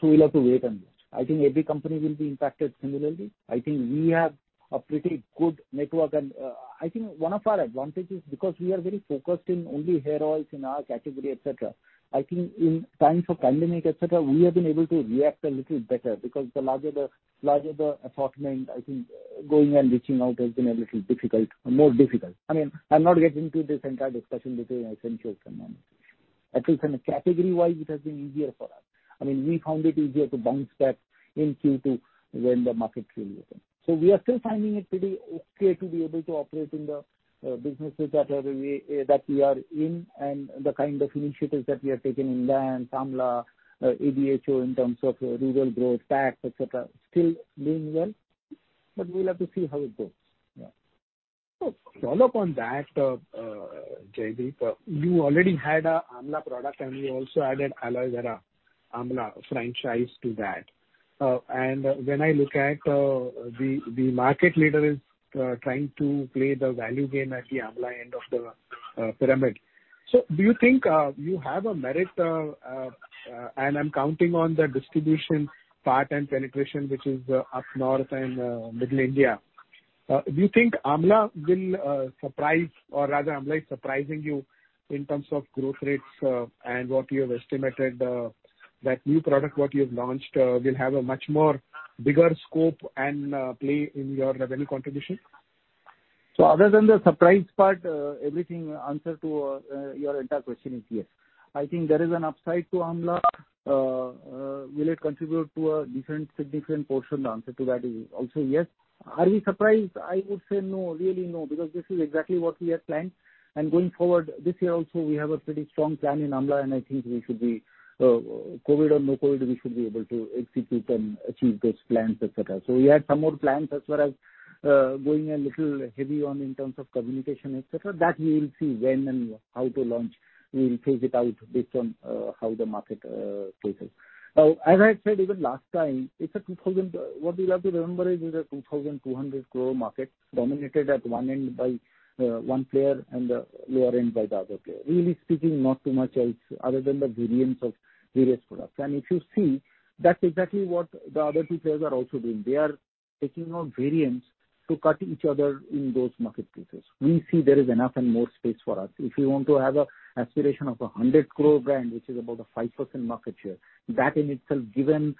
We'll have to wait on this. I think every company will be impacted similarly. I think we have a pretty good network, and I think one of our advantages, because we are very focused in only hair oils in our category, et cetera. I think in times of pandemic, et cetera, we have been able to react a little better because the larger the assortment, I think going and reaching out has been a little difficult, more difficult. I'm not getting into this entire discussion between essential and non-essential. At least category-wise, it has been easier for us. We found it easier to bounce back in Q2 when the market reopened. We are still finding it pretty okay to be able to operate in the businesses that we are in, and the kind of initiatives that we have taken in vans, amla, ADHO in terms of rural growth, packs, et cetera, still doing well. We'll have to see how it goes. Yeah. Follow up on that, Jaideep, you already had an amla product, and you also added Aloe Vera Amla franchise to that. When I look at the market leader is trying to play the value game at the amla end of the pyramid. Do you think you have a merit? I'm counting on the distribution part and penetration, which is up north and middle India. Do you think amla will surprise or rather amla is surprising you in terms of growth rates and what you have estimated, that new product what you have launched will have a much more bigger scope and play in your revenue contribution? Other than the surprise part, everything, answer to your entire question is yes. I think there is an upside to amla. Will it contribute to a different significant portion? The answer to that is also yes. Are we surprised? I would say no, really no, because this is exactly what we had planned. Going forward, this year also, we have a pretty strong plan in amla, and I think we should be, COVID or no COVID, we should be able to execute and achieve those plans, et cetera. We had some more plans as far as going a little heavy on in terms of communication, et cetera. That we will see when and how to launch. We will phase it out based on how the market phases. As I said even last time, what we will have to remember is it is an 2,200 crore market dominated at one end by one player and the lower end by the other player. Really speaking, not too much else other than the variants of various products. If you see, that is exactly what the other two players are also doing. They are taking out variants to cut each other in those market places. We see there is enough and more space for us. If you want to have an aspiration of an 100 crore brand, which is about a 5% market share, that in itself given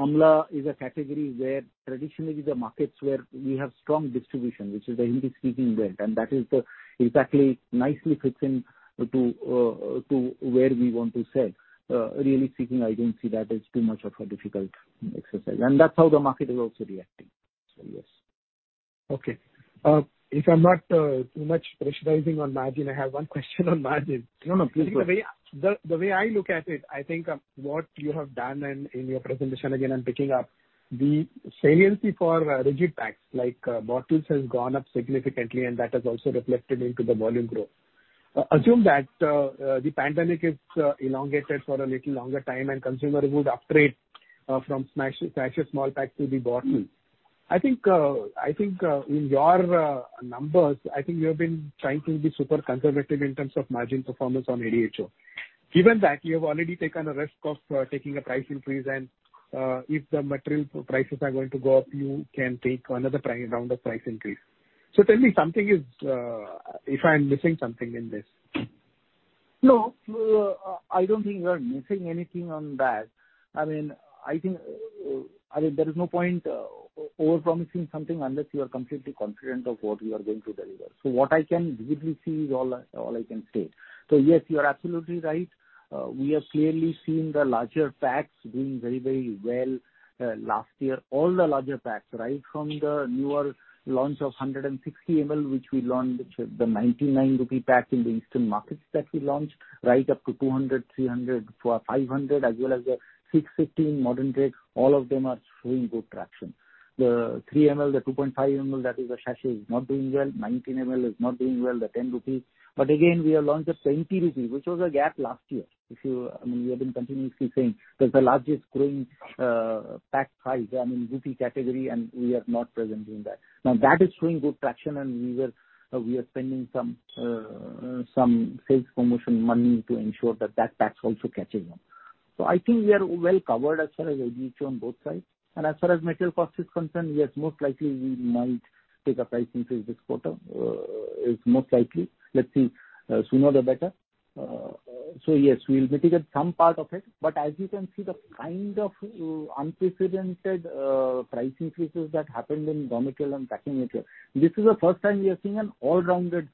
amla is a category where traditionally the markets where we have strong distribution, which is the Hindi-speaking belt. That is exactly nicely fitting to where we want to sell. Really speaking, I don't see that as too much of a difficult exercise. That's how the market is also reacting. Yes. Okay. If I'm not too much pressurizing on margin, I have one question on margin. No, please go ahead. The way I look at it, I think what you have done and in your presentation, again, I'm picking up the saliency for rigid packs like bottles has gone up significantly, and that has also reflected into the volume growth. Assume that the pandemic is elongated for a little longer time and consumer would upgrade from sachet small pack to the bottle. I think in your numbers, you have been trying to be super conservative in terms of margin performance on ADHO. That you have already taken a risk of taking a price increase, and if the material prices are going to go up, you can take another round of price increase. Tell me if I'm missing something in this. No, I don't think you are missing anything on that. There is no point over-promising something unless you are completely confident of what you are going to deliver. What I can visibly see is all I can say. Yes, you are absolutely right. We are clearly seeing the larger packs doing very well. Last year, all the larger packs, right from the newer launch of 160 ml, which we launched, the 99 rupee pack in the eastern markets that we launched, right up to 200, 300, 500, as well as the 650 modern trade, all of them are showing good traction. The 3 ml, the 2.5 ml that is the sachet is not doing well. 19 ml is not doing well, the 10 rupees. Again, we have launched a 20 rupees, which was a gap last year. We have been continuously saying that the largest growing pack size, rupee category, and we are not present in that. That is showing good traction, and we are spending some sales promotion money to ensure that that pack is also catching on. I think we are well covered as far as ADHO on both sides. As far as material cost is concerned, yes, most likely we might take a price increase this quarter, is most likely. Let's see. Sooner the better. Yes, we'll mitigate some part of it. As you can see, the kind of unprecedented price increases that happened in raw material and packing material. This is the first time we are seeing an all-rounded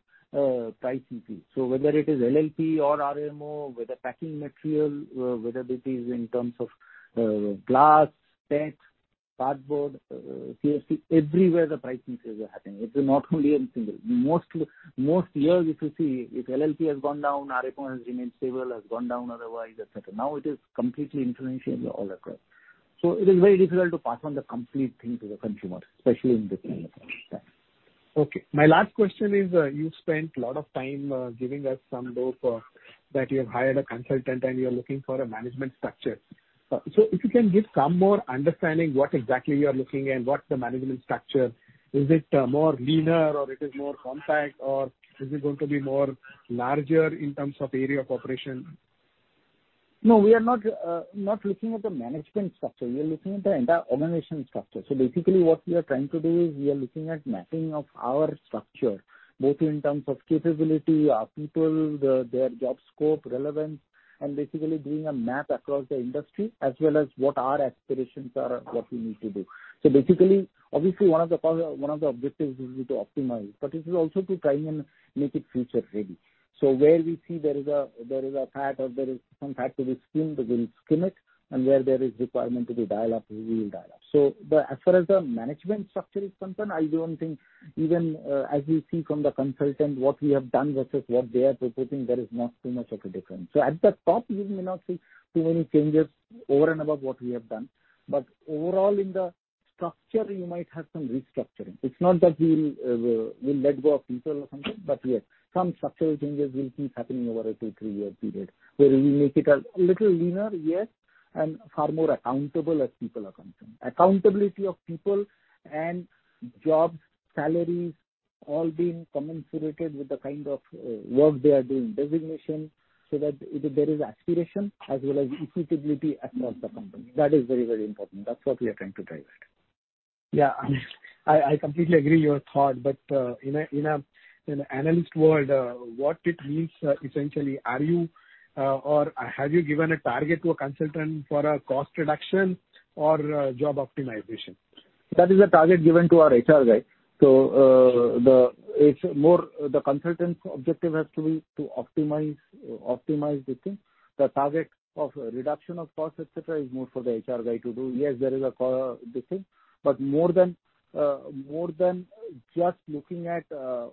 price increase. Whether it is LLP or RMO, whether packing material, whether it is in terms of glass, PET, cardboard, CFC, everywhere the price increases are happening. It's not only in single. Most years, if you see, if LLP has gone down, RMO has remained stable, has gone down otherwise, et cetera. Now it is completely inflationary all across. It is very difficult to pass on the complete thing to the consumer, especially in this kind of a time. Okay. My last question is, you spent a lot of time giving us some hope that you have hired a consultant and you're looking for a management structure. If you can give some more understanding what exactly you're looking and what the management structure, is it more leaner or it is more compact or is it going to be more larger in terms of area of operation? No, we are not looking at the management structure. We are looking at the entire organization structure. Basically what we are trying to do is we are looking at mapping of our structure, both in terms of capability, our people, their job scope, relevance, and basically doing a map across the industry as well as what our aspirations are and what we need to do. Basically, obviously one of the objectives is to optimize, but it is also to try and make it future-ready. Where we see there is a fat or there is some fat to be skimmed, we will skim it, and where there is requirement to be dial-up, we will dial up. As far as the management structure is concerned, I don't think even as we see from the consultant what we have done versus what they are proposing, there is not too much of a difference. At the top you may not see too many changes over and above what we have done. Overall in the structure, you might have some restructuring. It's not that we'll let go of people or something, but yes, some structural changes will keep happening over a two, three-year period where we make it a little leaner, yes, and far more accountable as people are concerned. Accountability of people and jobs, salaries, all being commensurated with the kind of work they are doing. Designation, so that there is aspiration as well as equitability across the company. That is very, very important. That's what we are trying to drive at. Yeah. I completely agree your thought. In an analyst world, what it means essentially, are you or have you given a target to a consultant for a cost reduction or job optimization? That is a target given to our HR guy. The consultant's objective has to be to optimize this thing. The target of reduction of cost, et cetera, is more for the HR guy to do. Yes, there is this thing. More than just looking at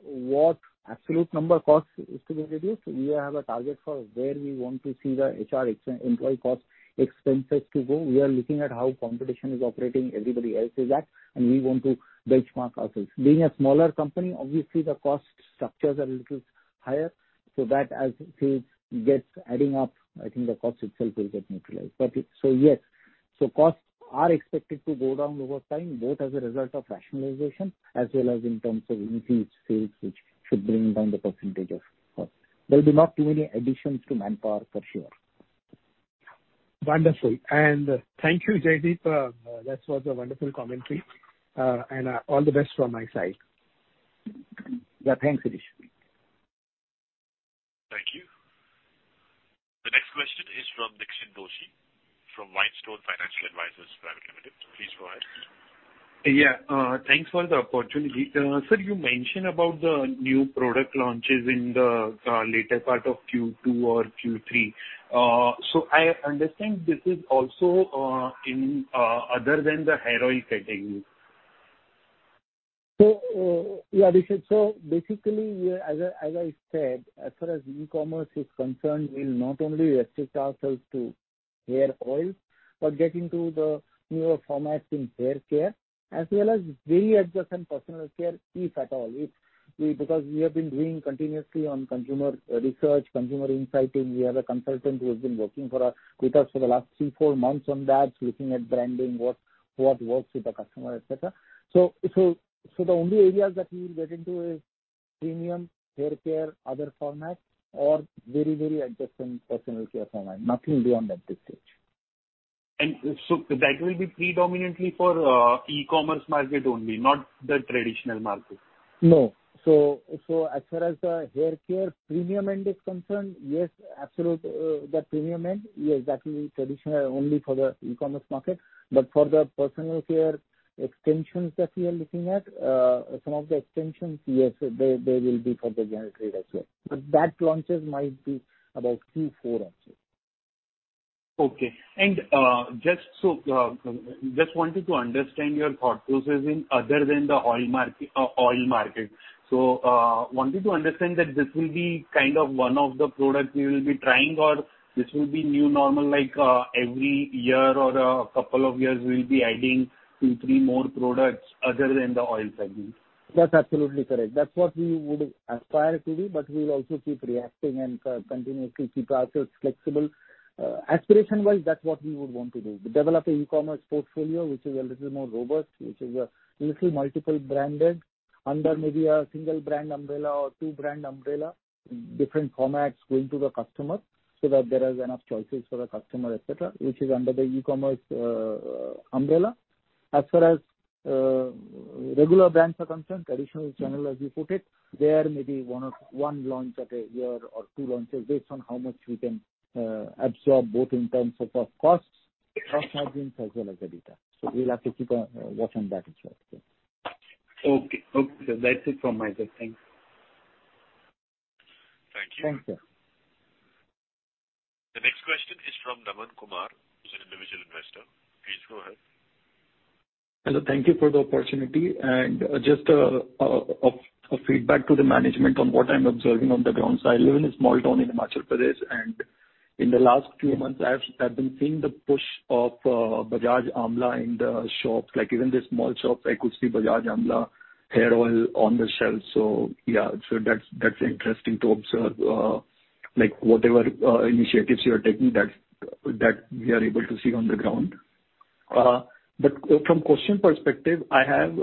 what absolute number cost is to be reduced, we have a target for where we want to see the HR employee cost expenses to go. We are looking at how competition is operating, everybody else is at, and we want to benchmark ourselves. Being a smaller company, obviously the cost structures are a little higher, so that as sales gets adding up, I think the cost itself will get neutralized. Yes. Costs are expected to go down over time, both as a result of rationalization as well as in terms of increased sales, which should bring down the percentage of cost. There will be not too many additions to manpower for sure. Wonderful. Thank you, Jaideep. That was a wonderful commentary. All the best from my side. Yeah, thanks, Shirish. Thank you. The next question is from Dixit Doshi from White Stone Financial Advisors Private Limited. Please go ahead. Yeah, thanks for the opportunity. Sir, you mentioned about the new product launches in the later part of Q2 or Q3. I understand this is also other than the hair oil category. Basically, as I said, as far as e-commerce is concerned, we'll not only restrict ourselves to hair oil, but get into the newer formats in hair care as well as very adjacent personal care, if at all. We have been doing continuously on consumer research, consumer insighting. We have a consultant who has been working with us for the last three, four months on that, looking at branding, what works with the customer, et cetera. The only areas that we will get into is premium hair care, other formats, or very adjacent personal care format, nothing beyond that this stage. That will be predominantly for e-commerce market only, not the traditional market. No. As far as the hair care premium end is concerned, yes, absolute the premium end. Yes, that will be traditional only for the e-commerce market. For the personal care extensions that we are looking at, some of the extensions, yes, they will be for the general trade as well. That launches might be about Q4 actually. Okay. Just wanted to understand your thought process in other than the oil market. Wanted to understand that this will be kind of one of the products you will be trying or this will be new normal like every year or a couple of years we'll be adding two, three more products other than the oil segment? That's absolutely correct. That's what we would aspire to be, but we'll also keep reacting and continuously keep ourselves flexible. Aspiration-wise, that's what we would want to do. Develop an e-commerce portfolio which is a little more robust, which is a little multiple branded under maybe a single brand umbrella or two brand umbrella, different formats going to the customer so that there is enough choices for the customer, et cetera, which is under the e-commerce umbrella. As far as regular brands are concerned, traditional channel, as you put it, there may be one launch at a year or two launches based on how much we can absorb, both in terms of costs, profit margins, as well as the data. We'll have to keep a watch on that as well. Okay. That's it from my side. Thanks. Thank you. Thank you. The next question is from Naman Kumar, who's an individual investor. Please go ahead. Hello. Thank you for the opportunity. Just a feedback to the management on what I'm observing on the ground. I live in a small town in Himachal Pradesh. In the last few months I have been seeing the push of Bajaj Amla in the shops. Like even the small shops I could see Bajaj Amla Hair Oil on the shelf. Yeah, that's interesting to observe. Whatever initiatives you are taking, we are able to see on the ground. From question perspective, I'm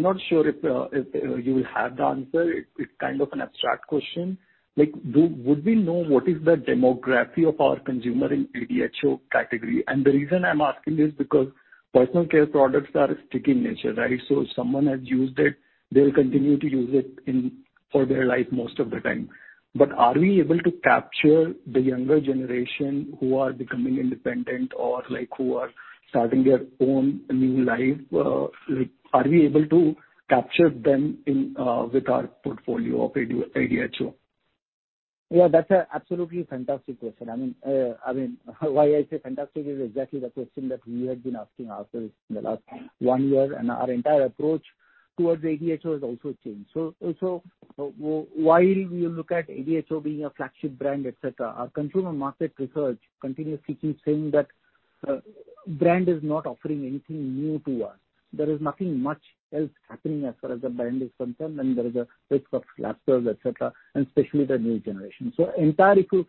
not sure if you will have the answer. It's kind of an abstract question. Would we know what is the demography of our consumer in ADHO category? The reason I'm asking this because personal care products are sticky in nature, right? If someone has used it, they'll continue to use it for their life most of the time. Are we able to capture the younger generation who are becoming independent or who are starting their own new life? Are we able to capture them with our portfolio of ADHO? Yeah, that's a absolutely fantastic question. Why I say fantastic is exactly the question that we have been asking ourselves in the last one year, and our entire approach towards ADHO has also changed. While we look at ADHO being a flagship brand, et cetera, our consumer market research continuously keeps saying that brand is not offering anything new to us. There is nothing much else happening as far as the brand is concerned, and there is a risk of lapses, et cetera, and especially the new generation. If you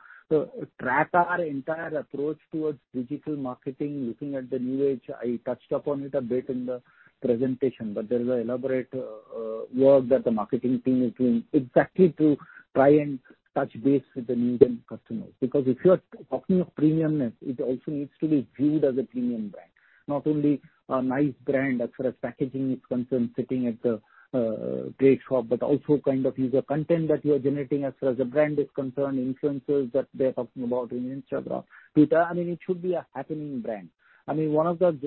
track our entire approach towards digital marketing, looking at the new age, I touched upon it a bit in the presentation, but there's an elaborate work that the marketing team is doing exactly to try and touch base with the new-gen customers. If you are talking of premiumness, it also needs to be viewed as a premium brand. Not only a nice brand as far as packaging is concerned, sitting at the trade shop, but also the kind of user content that you are generating as far as the brand is concerned, influencers that they're talking about in Instagram, Twitter, it should be a happening brand. One of the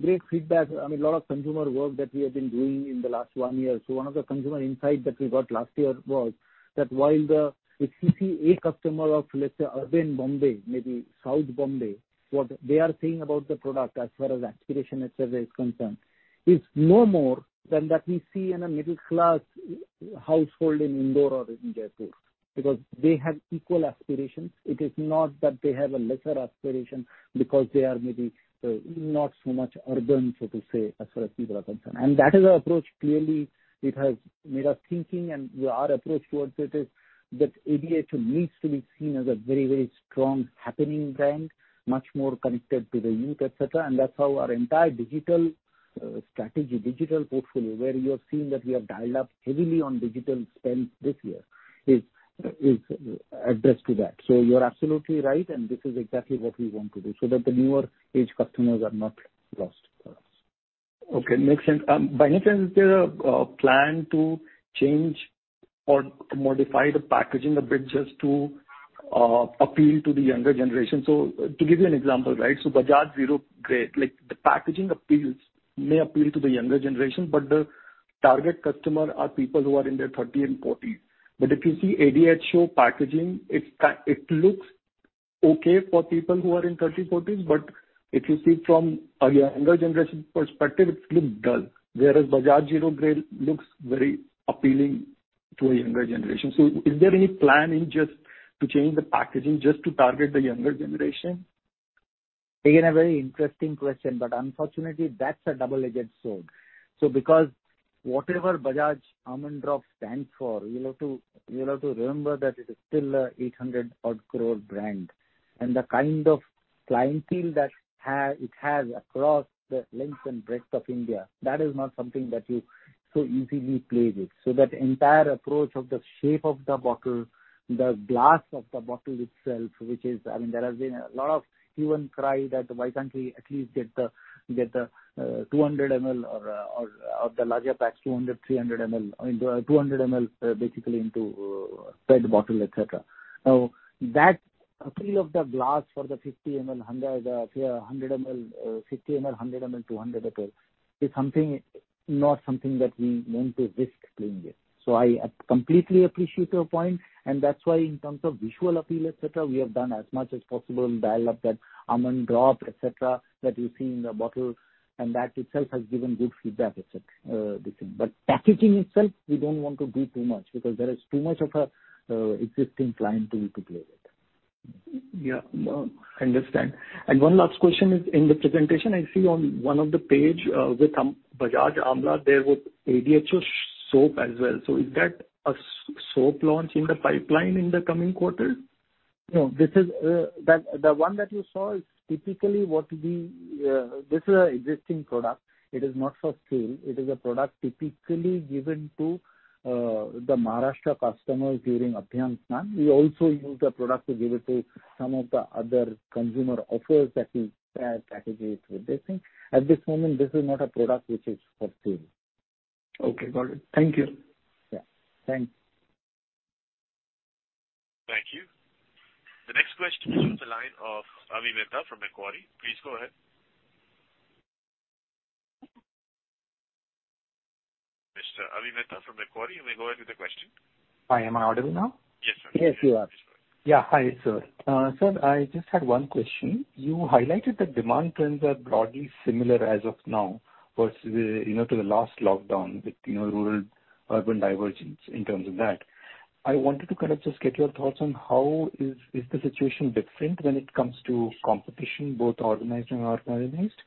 great feedback, a lot of consumer work that we have been doing in the last one year. One of the consumer insight that we got last year was that while if you see a customer of, let's say, urban Bombay, maybe south Bombay, what they are saying about the product as far as aspiration, et cetera, is concerned is no more than that we see in a middle-class household in Indore or in Jaipur, because they have equal aspirations. It is not that they have a lesser aspiration because they are maybe not so much urban, so to say, as far as people are concerned. That is our approach. Clearly, it has made us thinking and our approach towards it is that ADHO needs to be seen as a very strong happening brand, much more connected to the youth, et cetera, and that's how our entire digital strategy, digital portfolio, where you have seen that we have dialed up heavily on digital spend this year is addressed to that. You're absolutely right, and this is exactly what we want to do so that the newer age customers are not lost for us. Okay. Makes sense. By any chance, is there a plan to change or modify the packaging a bit just to appeal to the younger generation? To give you an example, right, Bajaj Zero Grey, the packaging may appeal to the younger generation, but the target customer are people who are in their 30 and 40s. If you see ADHO packaging, it looks okay for people who are in 30, 40s. If you see from a younger generation perspective, it looks dull. Whereas Bajaj Zero Grey looks very appealing to a younger generation. Is there any plan in just to change the packaging just to target the younger generation? Again, a very interesting question, but unfortunately, that's a double-edged sword. Because whatever Bajaj Almond Drops stands for, you'll have to remember that it is still a 800 odd crore brand. The kind of clientele that it has across the lengths and breadth of India, that is not something that you so easily play with. That entire approach of the shape of the bottle, the glass of the bottle itself. There has been a lot of hue and cry that why can't we at least get the 200 ml or the larger packs, 200, 300 ml, 200 ml basically into PET bottle, et cetera. That appeal of the glass for the 50 ml, 100 ml, 15 ml, 100 ml, 200 ml is not something that we want to risk playing with. I completely appreciate your point, and that's why in terms of visual appeal, et cetera, we have done as much as possible and dial up that Almond Drops, et cetera, that you see in the bottle, and that itself has given good feedback this thing. Packaging itself, we don't want to do too much because there is too much of a existing clientele to play with. Yeah. No, I understand. One last question is, in the presentation, I see on one of the page with Bajaj Amla, there was ADHO soap as well. Is that a soap launch in the pipeline in the coming quarter? No. The one that you saw, this is an existing product. It is not for sale. It is a product typically given to the Maharashtra customers during Abhyanga Snan. We also use the product to give it to some of the other consumer offers that we package with this thing. At this moment, this is not a product which is for sale. Okay. Got it. Thank you. Yeah. Thanks. Thank you. The next question is from the line of Avi Mehta from Macquarie. Please go ahead. Mr. Avi Mehta from Macquarie, you may go ahead with the question. Hi, am I audible now? Yes, sir. Yes, you are. Yeah. Hi, sir. Sir, I just had one question. You highlighted the demand trends are broadly similar as of now versus to the last lockdown with rural-urban divergence in terms of that. I wanted to kind of just get your thoughts on how is the situation different when it comes to competition, both organized and unorganized,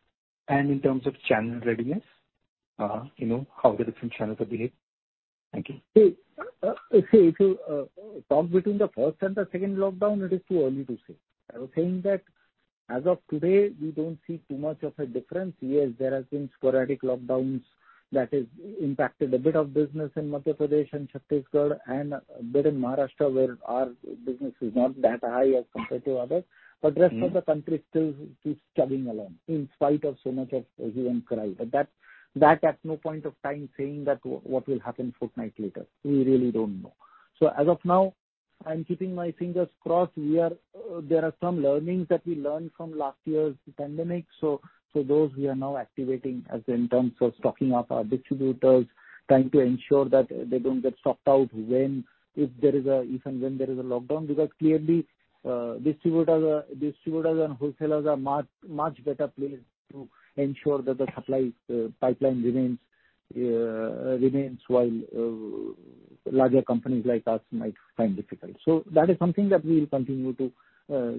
and in terms of channel readiness, how the different channels behave. Thank you. If you talk between the first and the second lockdown, it is too early to say. I was saying that as of today, we don't see too much of a difference. Yes, there has been sporadic lockdowns that has impacted a bit of business in Madhya Pradesh and Chhattisgarh and a bit in Maharashtra where our business is not that high as compared to others. Rest of the country still keeps chugging along in spite of so much of hue and cry. That at no point of time saying that what will happen fortnight later, we really don't know. As of now, I'm keeping my fingers crossed. There are some learnings that we learned from last year's pandemic. Those we are now activating as in terms of stocking up our distributors, trying to ensure that they don't get stocked out if and when there is a lockdown, because clearly, distributors and wholesalers are much better placed to ensure that the supply pipeline remains while larger companies like us might find difficult. That is something that we will continue to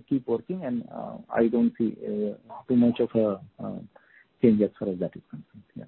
keep working and I don't see too much of a change as far as that is concerned. Yeah.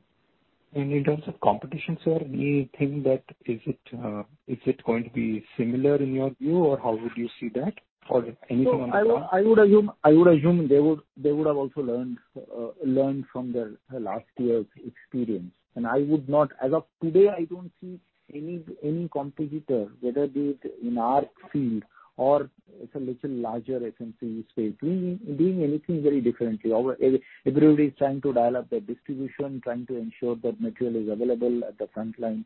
In terms of competition, sir, we think that is it going to be similar in your view or how would you see that or anything on that? I would assume they would have also learned from their last year's experience. As of today I don't see any competitor, whether be it in our field or it's a little larger FMCG space doing anything very differently. Everybody's trying to dial up their distribution, trying to ensure that material is available at the frontline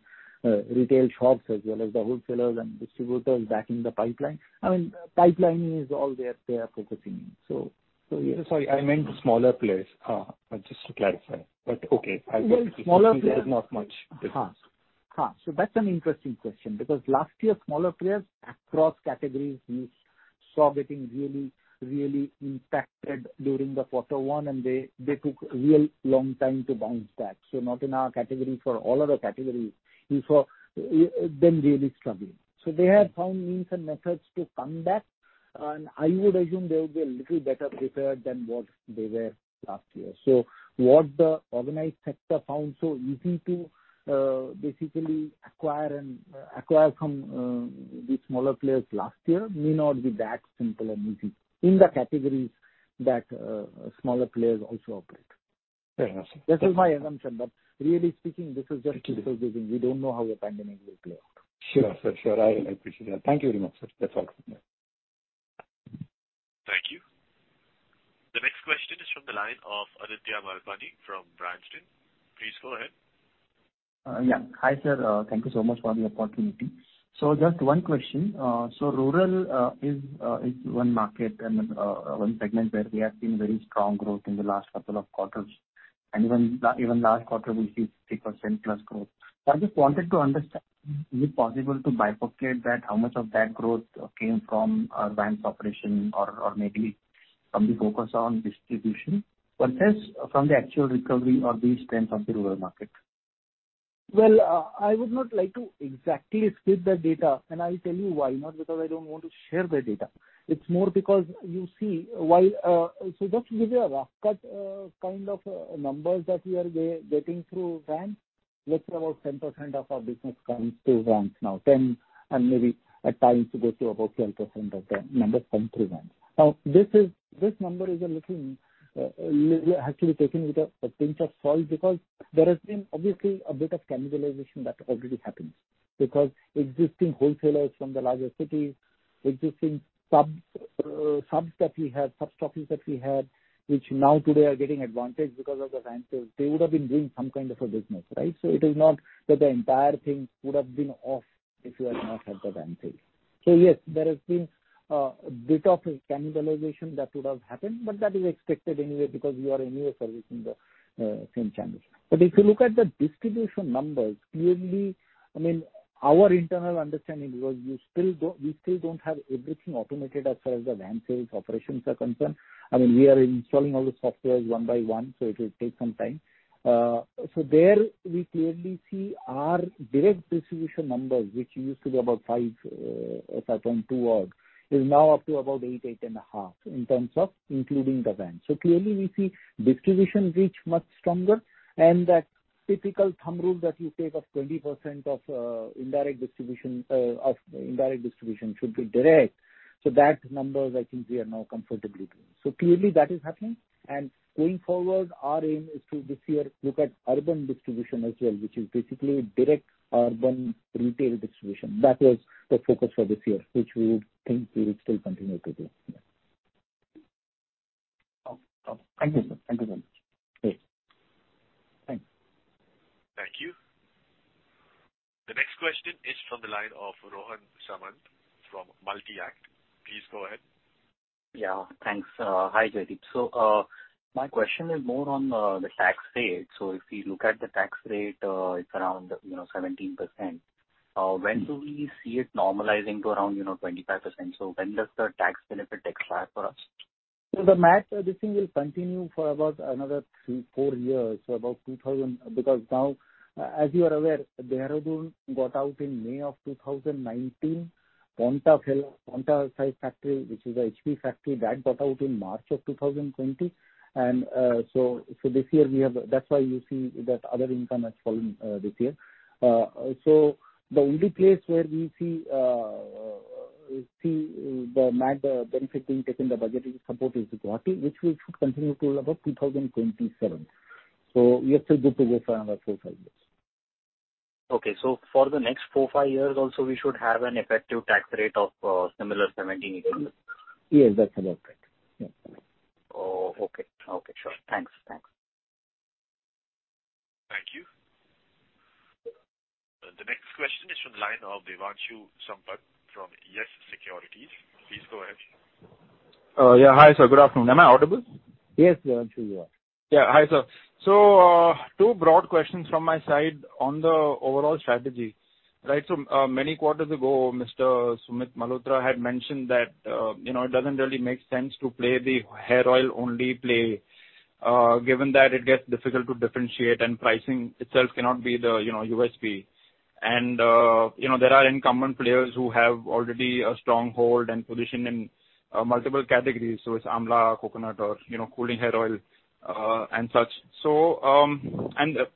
retail shops as well as the wholesalers and distributors backing the pipeline. I mean, pipeline is all they are focusing in. Yeah. Sorry, I meant smaller players, just to clarify, but okay. Well, smaller players- There is not much difference. That's an interesting question because last year smaller players across categories we saw getting really impacted during the quarter one and they took real long time to bounce back. Not in our category for all other categories you saw them really struggling. They have found means and methods to come back and I would assume they would be a little better prepared than what they were last year. What the organized sector found so easy to basically acquire from the smaller players last year may not be that simple and easy in the categories that smaller players also operate. Fair enough. That is my assumption but really speaking this is just we don't know how the pandemic will play out. Sure. I appreciate that. Thank you very much, sir. That's all. Thank you. The next question is from the line of Aditya Malpani from Bryanston. Please go ahead. Yeah. Hi, sir. Thank you so much for the opportunity. Just one question. Rural is one market and one segment where we have seen very strong growth in the last couple of quarters and even last quarter we see 3%+ growth. I just wanted to understand, is it possible to bifurcate that how much of that growth came from our van operation or maybe from the focus on distribution versus from the actual recovery or the strength of the rural market? Well, I would not like to exactly split the data and I will tell you why. Not because I don't want to share the data. It's more because you see, just to give you a rough-cut kind of numbers that we are getting through vans, let's say about 10% of our business comes through vans now, 10% and maybe at times it goes to above 12% of the number come through vans. This number has to be taken with a pinch of salt because there has been obviously a bit of cannibalization that already happens because existing wholesalers from the larger cities, existing subs that we had which now today are getting advantage because of the van sales they would've been doing some kind of a business, right? It is not that the entire thing would've been off if we had not had the van sales. Yes, there has been a bit of cannibalization that would have happened, but that is expected anyway because we are anyway servicing the same channels. If you look at the distribution numbers, clearly, I mean, our internal understanding because we still don't have everything automated as far as the van sales operations are concerned. I mean, we are installing all the softwares one by one, so it will take some time. There we clearly see our direct distribution numbers which used to be about 5.2% odd is now up to about 8%, 8.5% in terms of including the vans. Clearly we see distribution reach much stronger and that typical thumb rule that you take of 20% of indirect distribution should be direct. That numbers I think we are now comfortably doing. Clearly that is happening and going forward our aim is to this year look at urban distribution as well which is basically direct urban retail distribution. That was the focus for this year which we would think we would still continue to do. Yeah. Thank you, sir. Thank you very much. Okay. Thanks. Thank you. The next question is from the line of Rohan Samant from Multi-Act. Please go ahead. Yeah. Thanks. Hi, Jaideep. My question is more on the tax rate. If we look at the tax rate it's around 17%. When do we see it normalizing to around 25%? When does the tax benefit take effect for us? The MAT, this thing will continue for about another three, four years. Now, as you are aware, Dehradun got out in May of 2019. Paonta [Bala], Paonta Sahib factory, which is a HP factory, that got out in March of 2020. This year, that's why you see that other income has fallen this year. The only place where we see the MAT benefit being taken, the budgeting support is the Guwahati, which we should continue till about 2027. We are still good to go for another four, five years. Okay. For the next four, five years also, we should have an effective tax rate of similar 17%-18%? Yes, that's about right. Yeah. Oh, okay. Sure. Thanks. Thank you. The next question is from the line of Devanshu Sampat from Yes Securities. Please go ahead. Yeah. Hi, sir. Good afternoon. Am I audible? Yes, Devanshu, you are. Hi, sir. Two broad questions from my side on the overall strategy. Right. Many quarters ago, Mr. Sumit Malhotra had mentioned that it doesn't really make sense to play the hair oil only play, given that it gets difficult to differentiate and pricing itself cannot be the USP. There are incumbent players who have already a stronghold and position in multiple categories. It's amla, coconut, or cooling hair oil, and such.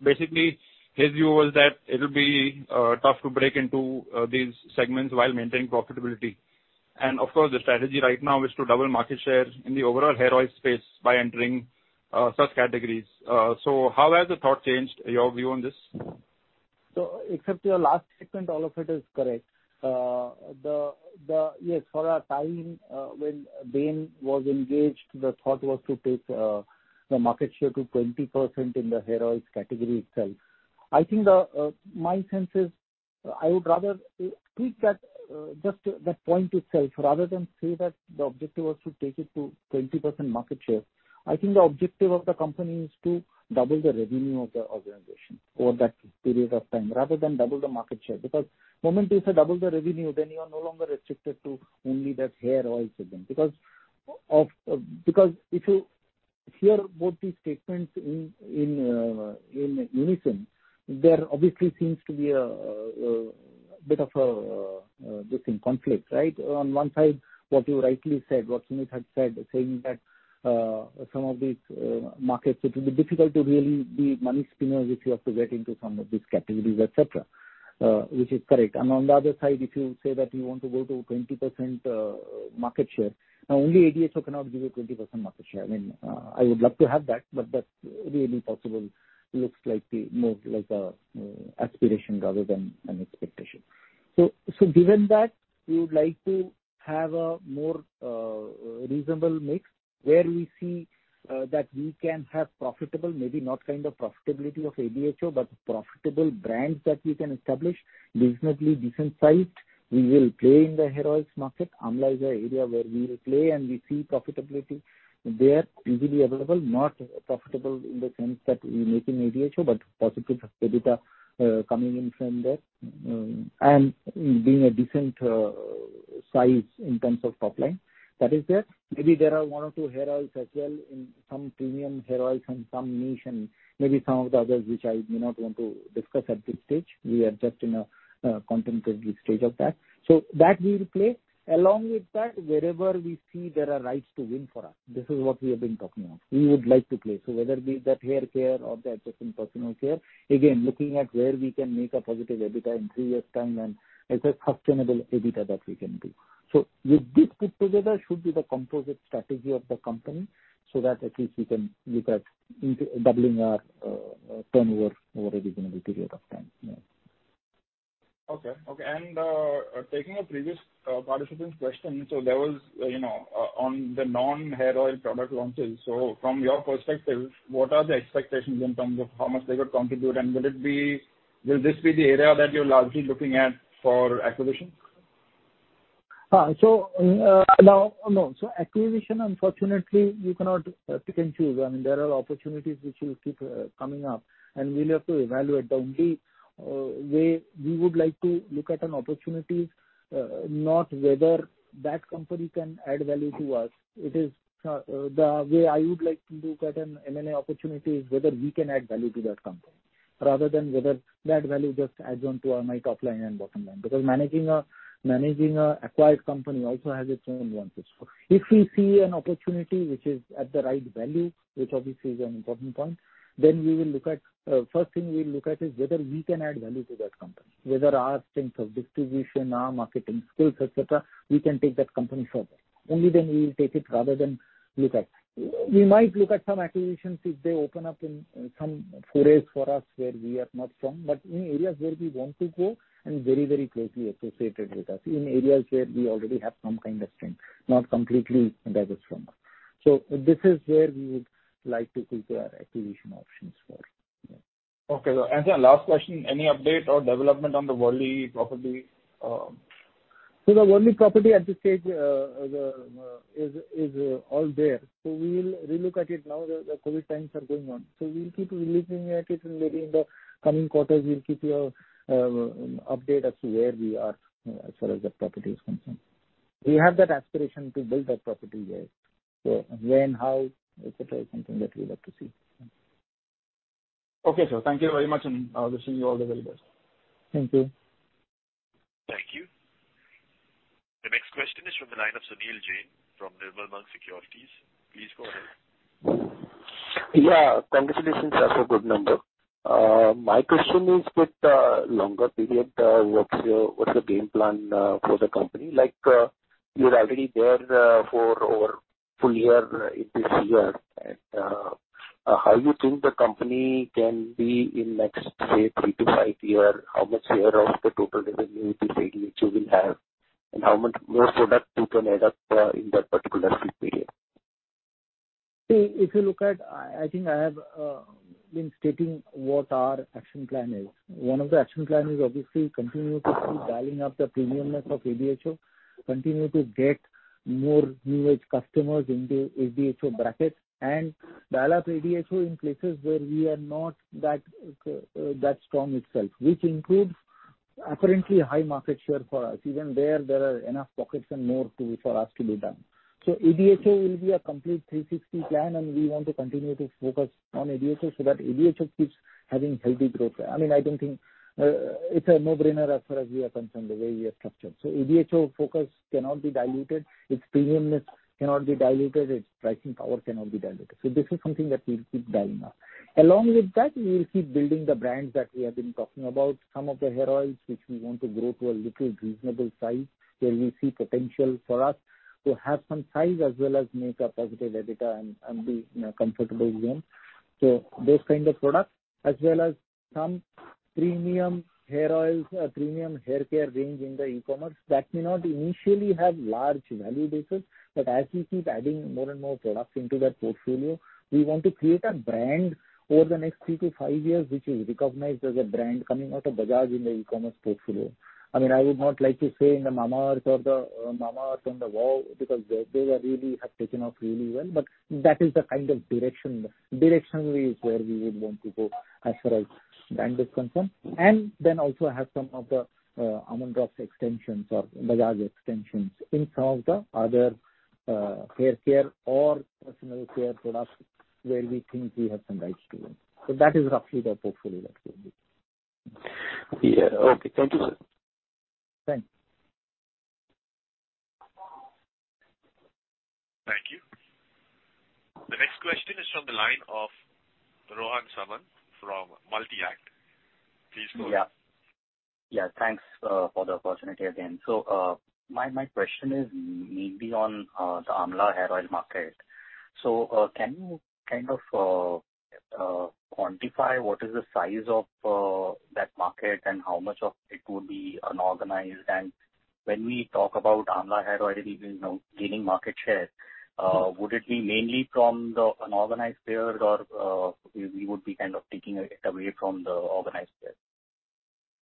Basically, his view was that it'll be tough to break into these segments while maintaining profitability. Of course, the strategy right now is to double market share in the overall hair oil space by entering such categories. How has the thought changed your view on this? Except your last statement, all of it is correct. Yes, for a time when Bain was engaged, the thought was to take the market share to 20% in the hair oils category itself. I think my sense is I would rather tweak just that point itself, rather than say that the objective was to take it to 20% market share. I think the objective of the company is to double the revenue of the organization over that period of time, rather than double the market share. The moment you say double the revenue, then you are no longer restricted to only that hair oil segment. If you hear both these statements in unison, there obviously seems to be a bit of a conflict, right? On one side, what you rightly said, what Sumit had said, saying that some of these markets, it will be difficult to really be money spinners if you have to get into some of these categories, et cetera, which is correct. On the other side, if you say that you want to go to 20% market share, only ADHO cannot give you 20% market share. I would love to have that, but that's really impossible. Looks more like an aspiration rather than an expectation. Given that, we would like to have a more reasonable mix where we see that we can have profitable, maybe not kind of profitability of ADHO, but profitable brands that we can establish, reasonably decent size. We will play in the hair oils market. Amla is an area where we will play, and we see profitability there easily available. Not profitable in the sense that we make in ADHO, but positive EBITDA coming in from there. Being a decent size in terms of top line that is there. Maybe there are one or two hair oils as well in some premium hair oils and some niche and maybe some of the others, which I may not want to discuss at this stage. We are just in a contemplative stage of that. That we will play. Along with that, wherever we see there are rights to win for us, this is what we have been talking of. We would like to play. Whether it be that hair care or the adjacent personal care, again, looking at where we can make a positive EBITDA in three years' time and it's a sustainable EBITDA that we can do. With this put together should be the composite strategy of the company so that at least we can look at doubling our turnover over a reasonable period of time. Yeah. Okay. Taking a previous participant's question, there was on the non-hair oil product launches. From your perspective, what are the expectations in terms of how much they would contribute, and will this be the area that you're largely looking at for acquisitions? No. Acquisition, unfortunately, we cannot pick and choose. There are opportunities which will keep coming up, and we'll have to evaluate. The only way we would like to look at an opportunity is not whether that company can add value to us. The way I would like to look at an M&A opportunity is whether we can add value to that company, rather than whether that value just adds on to my top line and bottom line. Managing an acquired company also has its own nuances. If we see an opportunity which is at the right value, which obviously is an important point, then first thing we'll look at is whether we can add value to that company, whether our strength of distribution, our marketing skills, et cetera, we can take that company further. Only then we will take it. We might look at some acquisitions if they open up in some forays for us where we are not strong, but in areas where we want to go and very closely associated with us. In areas where we already have some kind of strength, not completely diverse from us. This is where we would like to keep our acquisition options for. Yeah. Okay. Last question, any update or development on the Worli property? The Worli property at this stage is all there. We will relook at it now that the COVID times are going on. We'll keep releasing it, and maybe in the coming quarters, we'll keep you updated as to where we are as far as that property is concerned. We have that aspiration to build that property, yes. When, how, et cetera, is something that we'd love to see. Okay, sir. Thank you very much, and wishing you all the very best. Thank you. Thank you. The next question is from the line of Sunil Jain from Nirmal Bang Securities. Please go ahead. Yeah. Congratulations as a good number. My question is with the longer period, what's the game plan for the company? Like you're already there for over full year in this year, and how you think the company can be in next, say, three to five year, how much share of the total revenue ADHO will have, and how much more product you can add up in that particular period. If you look at, I think I have been stating what our action plan is. One of the action plan is obviously continue to keep dialing up the premium-ness of ADHO, continue to get more new age customers into ADHO bracket, and dial up ADHO in places where we are not that strong itself, which includes apparently high market share for us. Even there are enough pockets and more too for us to be done. ADHO will be a complete 360 plan and we want to continue to focus on ADHO so that ADHO keeps having healthy growth. It's a no-brainer as far as we are concerned, the way we are structured. ADHO focus cannot be diluted, its premium-ness cannot be diluted, its pricing power cannot be diluted. This is something that we'll keep dialing up. Along with that, we will keep building the brands that we have been talking about. Some of the hair oils, which we want to grow to a little reasonable size, where we see potential for us to have some size as well as make a positive EBITDA and be in a comfortable zone. Those kind of products. As well as some premium hair oils or premium haircare range in the e-commerce that may not initially have large value basis, but as we keep adding more and more products into that portfolio, we want to create a brand over the next three to five years which is recognized as a brand coming out of Bajaj in the e-commerce portfolio. I would not like to say in the Mamaearth and the WOW because they really have taken off really well, that is the kind of direction where we would want to go as far as brand is concerned. Then also have some of the Almond Drops extensions or Bajaj extensions in some of the other haircare or personal care products where we think we have some rights to win. That is roughly the portfolio that we have. Yeah. Okay. Thank you, sir. Thanks. Thank you. The next question is from the line of Rohan Samant from Multi-Act. Please go ahead. Yeah. Thanks for the opportunity again. My question is mainly on the amla hair oil market. Can you kind of quantify what is the size of that market and how much of it would be unorganized? When we talk about amla hair oil and even gaining market share, would it be mainly from the unorganized players, or we would be kind of taking it away from the organized players?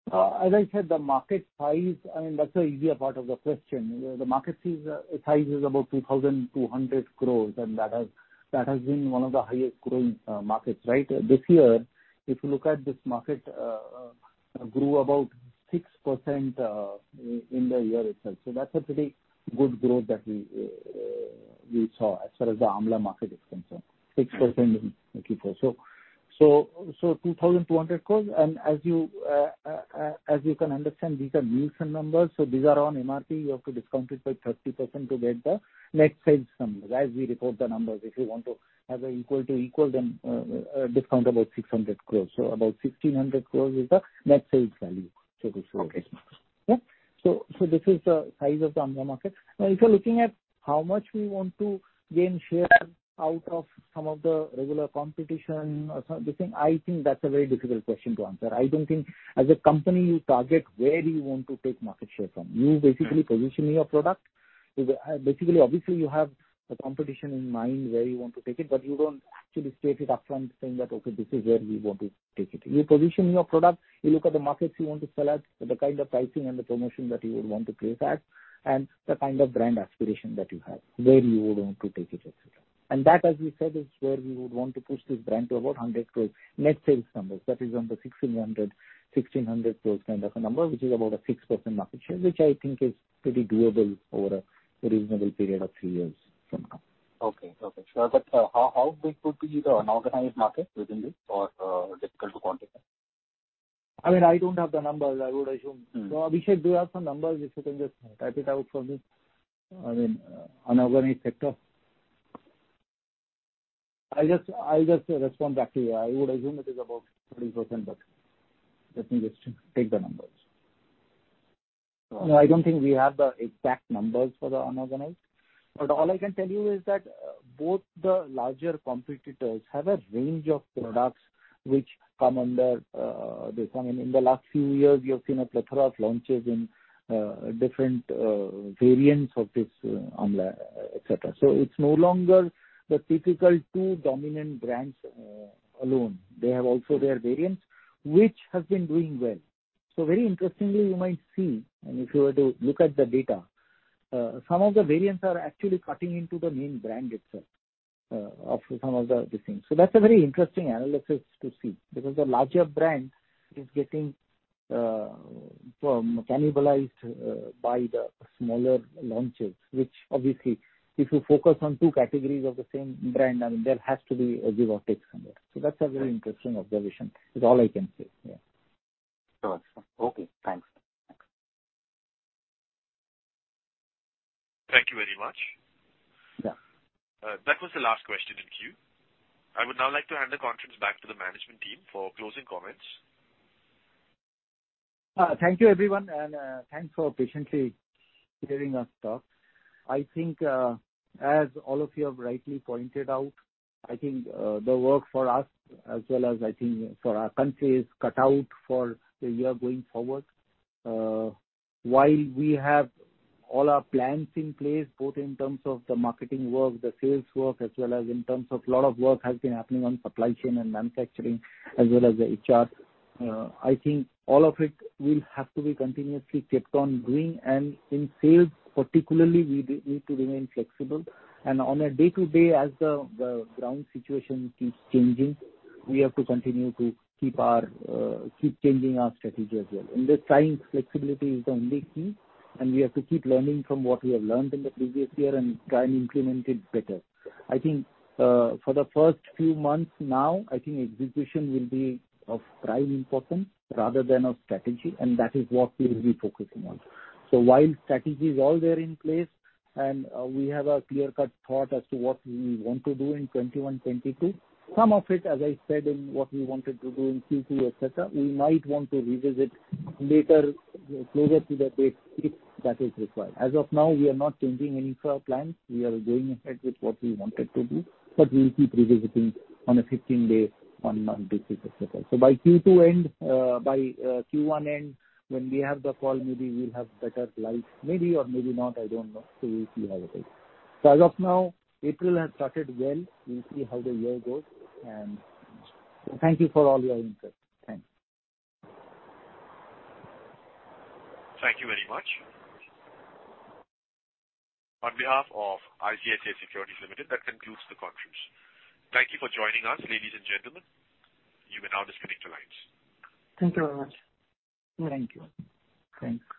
As I said, the market size, that's the easier part of the question. The market size is about 2,200 crore and that has been one of the highest growing markets. This year, if you look at this market grew about 6% in the year itself. That's a pretty good growth that we saw as far as the amla market is concerned, 6% in Q4. INR 2,200 crore, and as you can understand, these are Nielsen numbers, so these are on MRP. You have to discount it by 30% to get the net sales numbers. As we report the numbers, if you want to as an equal to equal, then discount about 600 crore. About 1,600 crore is the net sales value. Okay. Yeah. This is the size of the amla market. If you're looking at how much we want to gain share out of some of the regular competition, I think that's a very difficult question to answer. I don't think as a company you target where you want to take market share from. You basically position your product. Obviously, you have the competition in mind where you want to take it, but you don't actually state it upfront saying that, "Okay, this is where we want to take it." You position your product, you look at the markets you want to sell at, the kind of pricing and the promotion that you would want to place at, and the kind of brand aspiration that you have, where you would want to take it, et cetera. That, as we said, is where we would want to push this brand to about 100 crore net sales numbers. That is on the 1,600 crores kind of a number, which is about a 6% market share, which I think is pretty doable over a reasonable period of three years from now. Okay. How big could be the unorganized market within this or difficult to quantify? I don't have the numbers. I would assume. Abhishek, do you have some numbers if you can just type it out for me, unorganized sector? I'll just respond back to you. I would assume it is about 30%, but let me just take the numbers. No, I don't think we have the exact numbers for the unorganized. All I can tell you is that both the larger competitors have a range of products which come under this. In the last few years, you have seen a plethora of launches in different variants of this amla, et cetera. It's no longer the typical two dominant brands alone. They have also their variants, which have been doing well. Very interestingly, you might see, and if you were to look at the data, some of the variants are actually cutting into the main brand itself of some of the things. That's a very interesting analysis to see, because the larger brand is getting cannibalized by the smaller launches, which obviously if you focus on two categories of the same brand, there has to be a give or take somewhere. That's a very interesting observation, is all I can say. Yeah. Sure. Okay, thanks. Thank you very much. Yeah. That was the last question in queue. I would now like to hand the conference back to the management team for closing comments. Thank you everyone. Thanks for patiently hearing us talk. I think as all of you have rightly pointed out, I think the work for us, as well as I think for our country, is cut out for the year going forward. While we have all our plans in place, both in terms of the marketing work, the sales work, as well as in terms of lot of work has been happening on supply chain and manufacturing as well as the HR. I think all of it will have to be continuously kept on doing. In sales particularly, we need to remain flexible, and on a day-to-day as the ground situation keeps changing, we have to continue to keep changing our strategy as well. In this time, flexibility is the only key, and we have to keep learning from what we have learned in the previous year and try and implement it better. I think for the first few months now, I think execution will be of prime importance rather than of strategy, and that is what we will be focusing on. While strategy is all there in place, and we have a clear-cut thought as to what we want to do in 2021, 2022. Some of it, as I said, in what we wanted to do in Q2, et cetera, we might want to revisit later closer to the date if that is required. As of now, we are not changing any plans. We are going ahead with what we wanted to do, but we will keep revisiting on a 15-day, one-month basis, et cetera. By Q1 end, when we have the call, maybe we'll have better light. Maybe or maybe not, I don't know. We'll see how it is. As of now, April has started well. We'll see how the year goes. Thank you for all your interest. Thanks. Thank you very much. On behalf of ICICI Securities Limited, that concludes the conference. Thank you for joining us, ladies and gentlemen. You may now disconnect your lines. Thank you very much. Thank you. Thanks.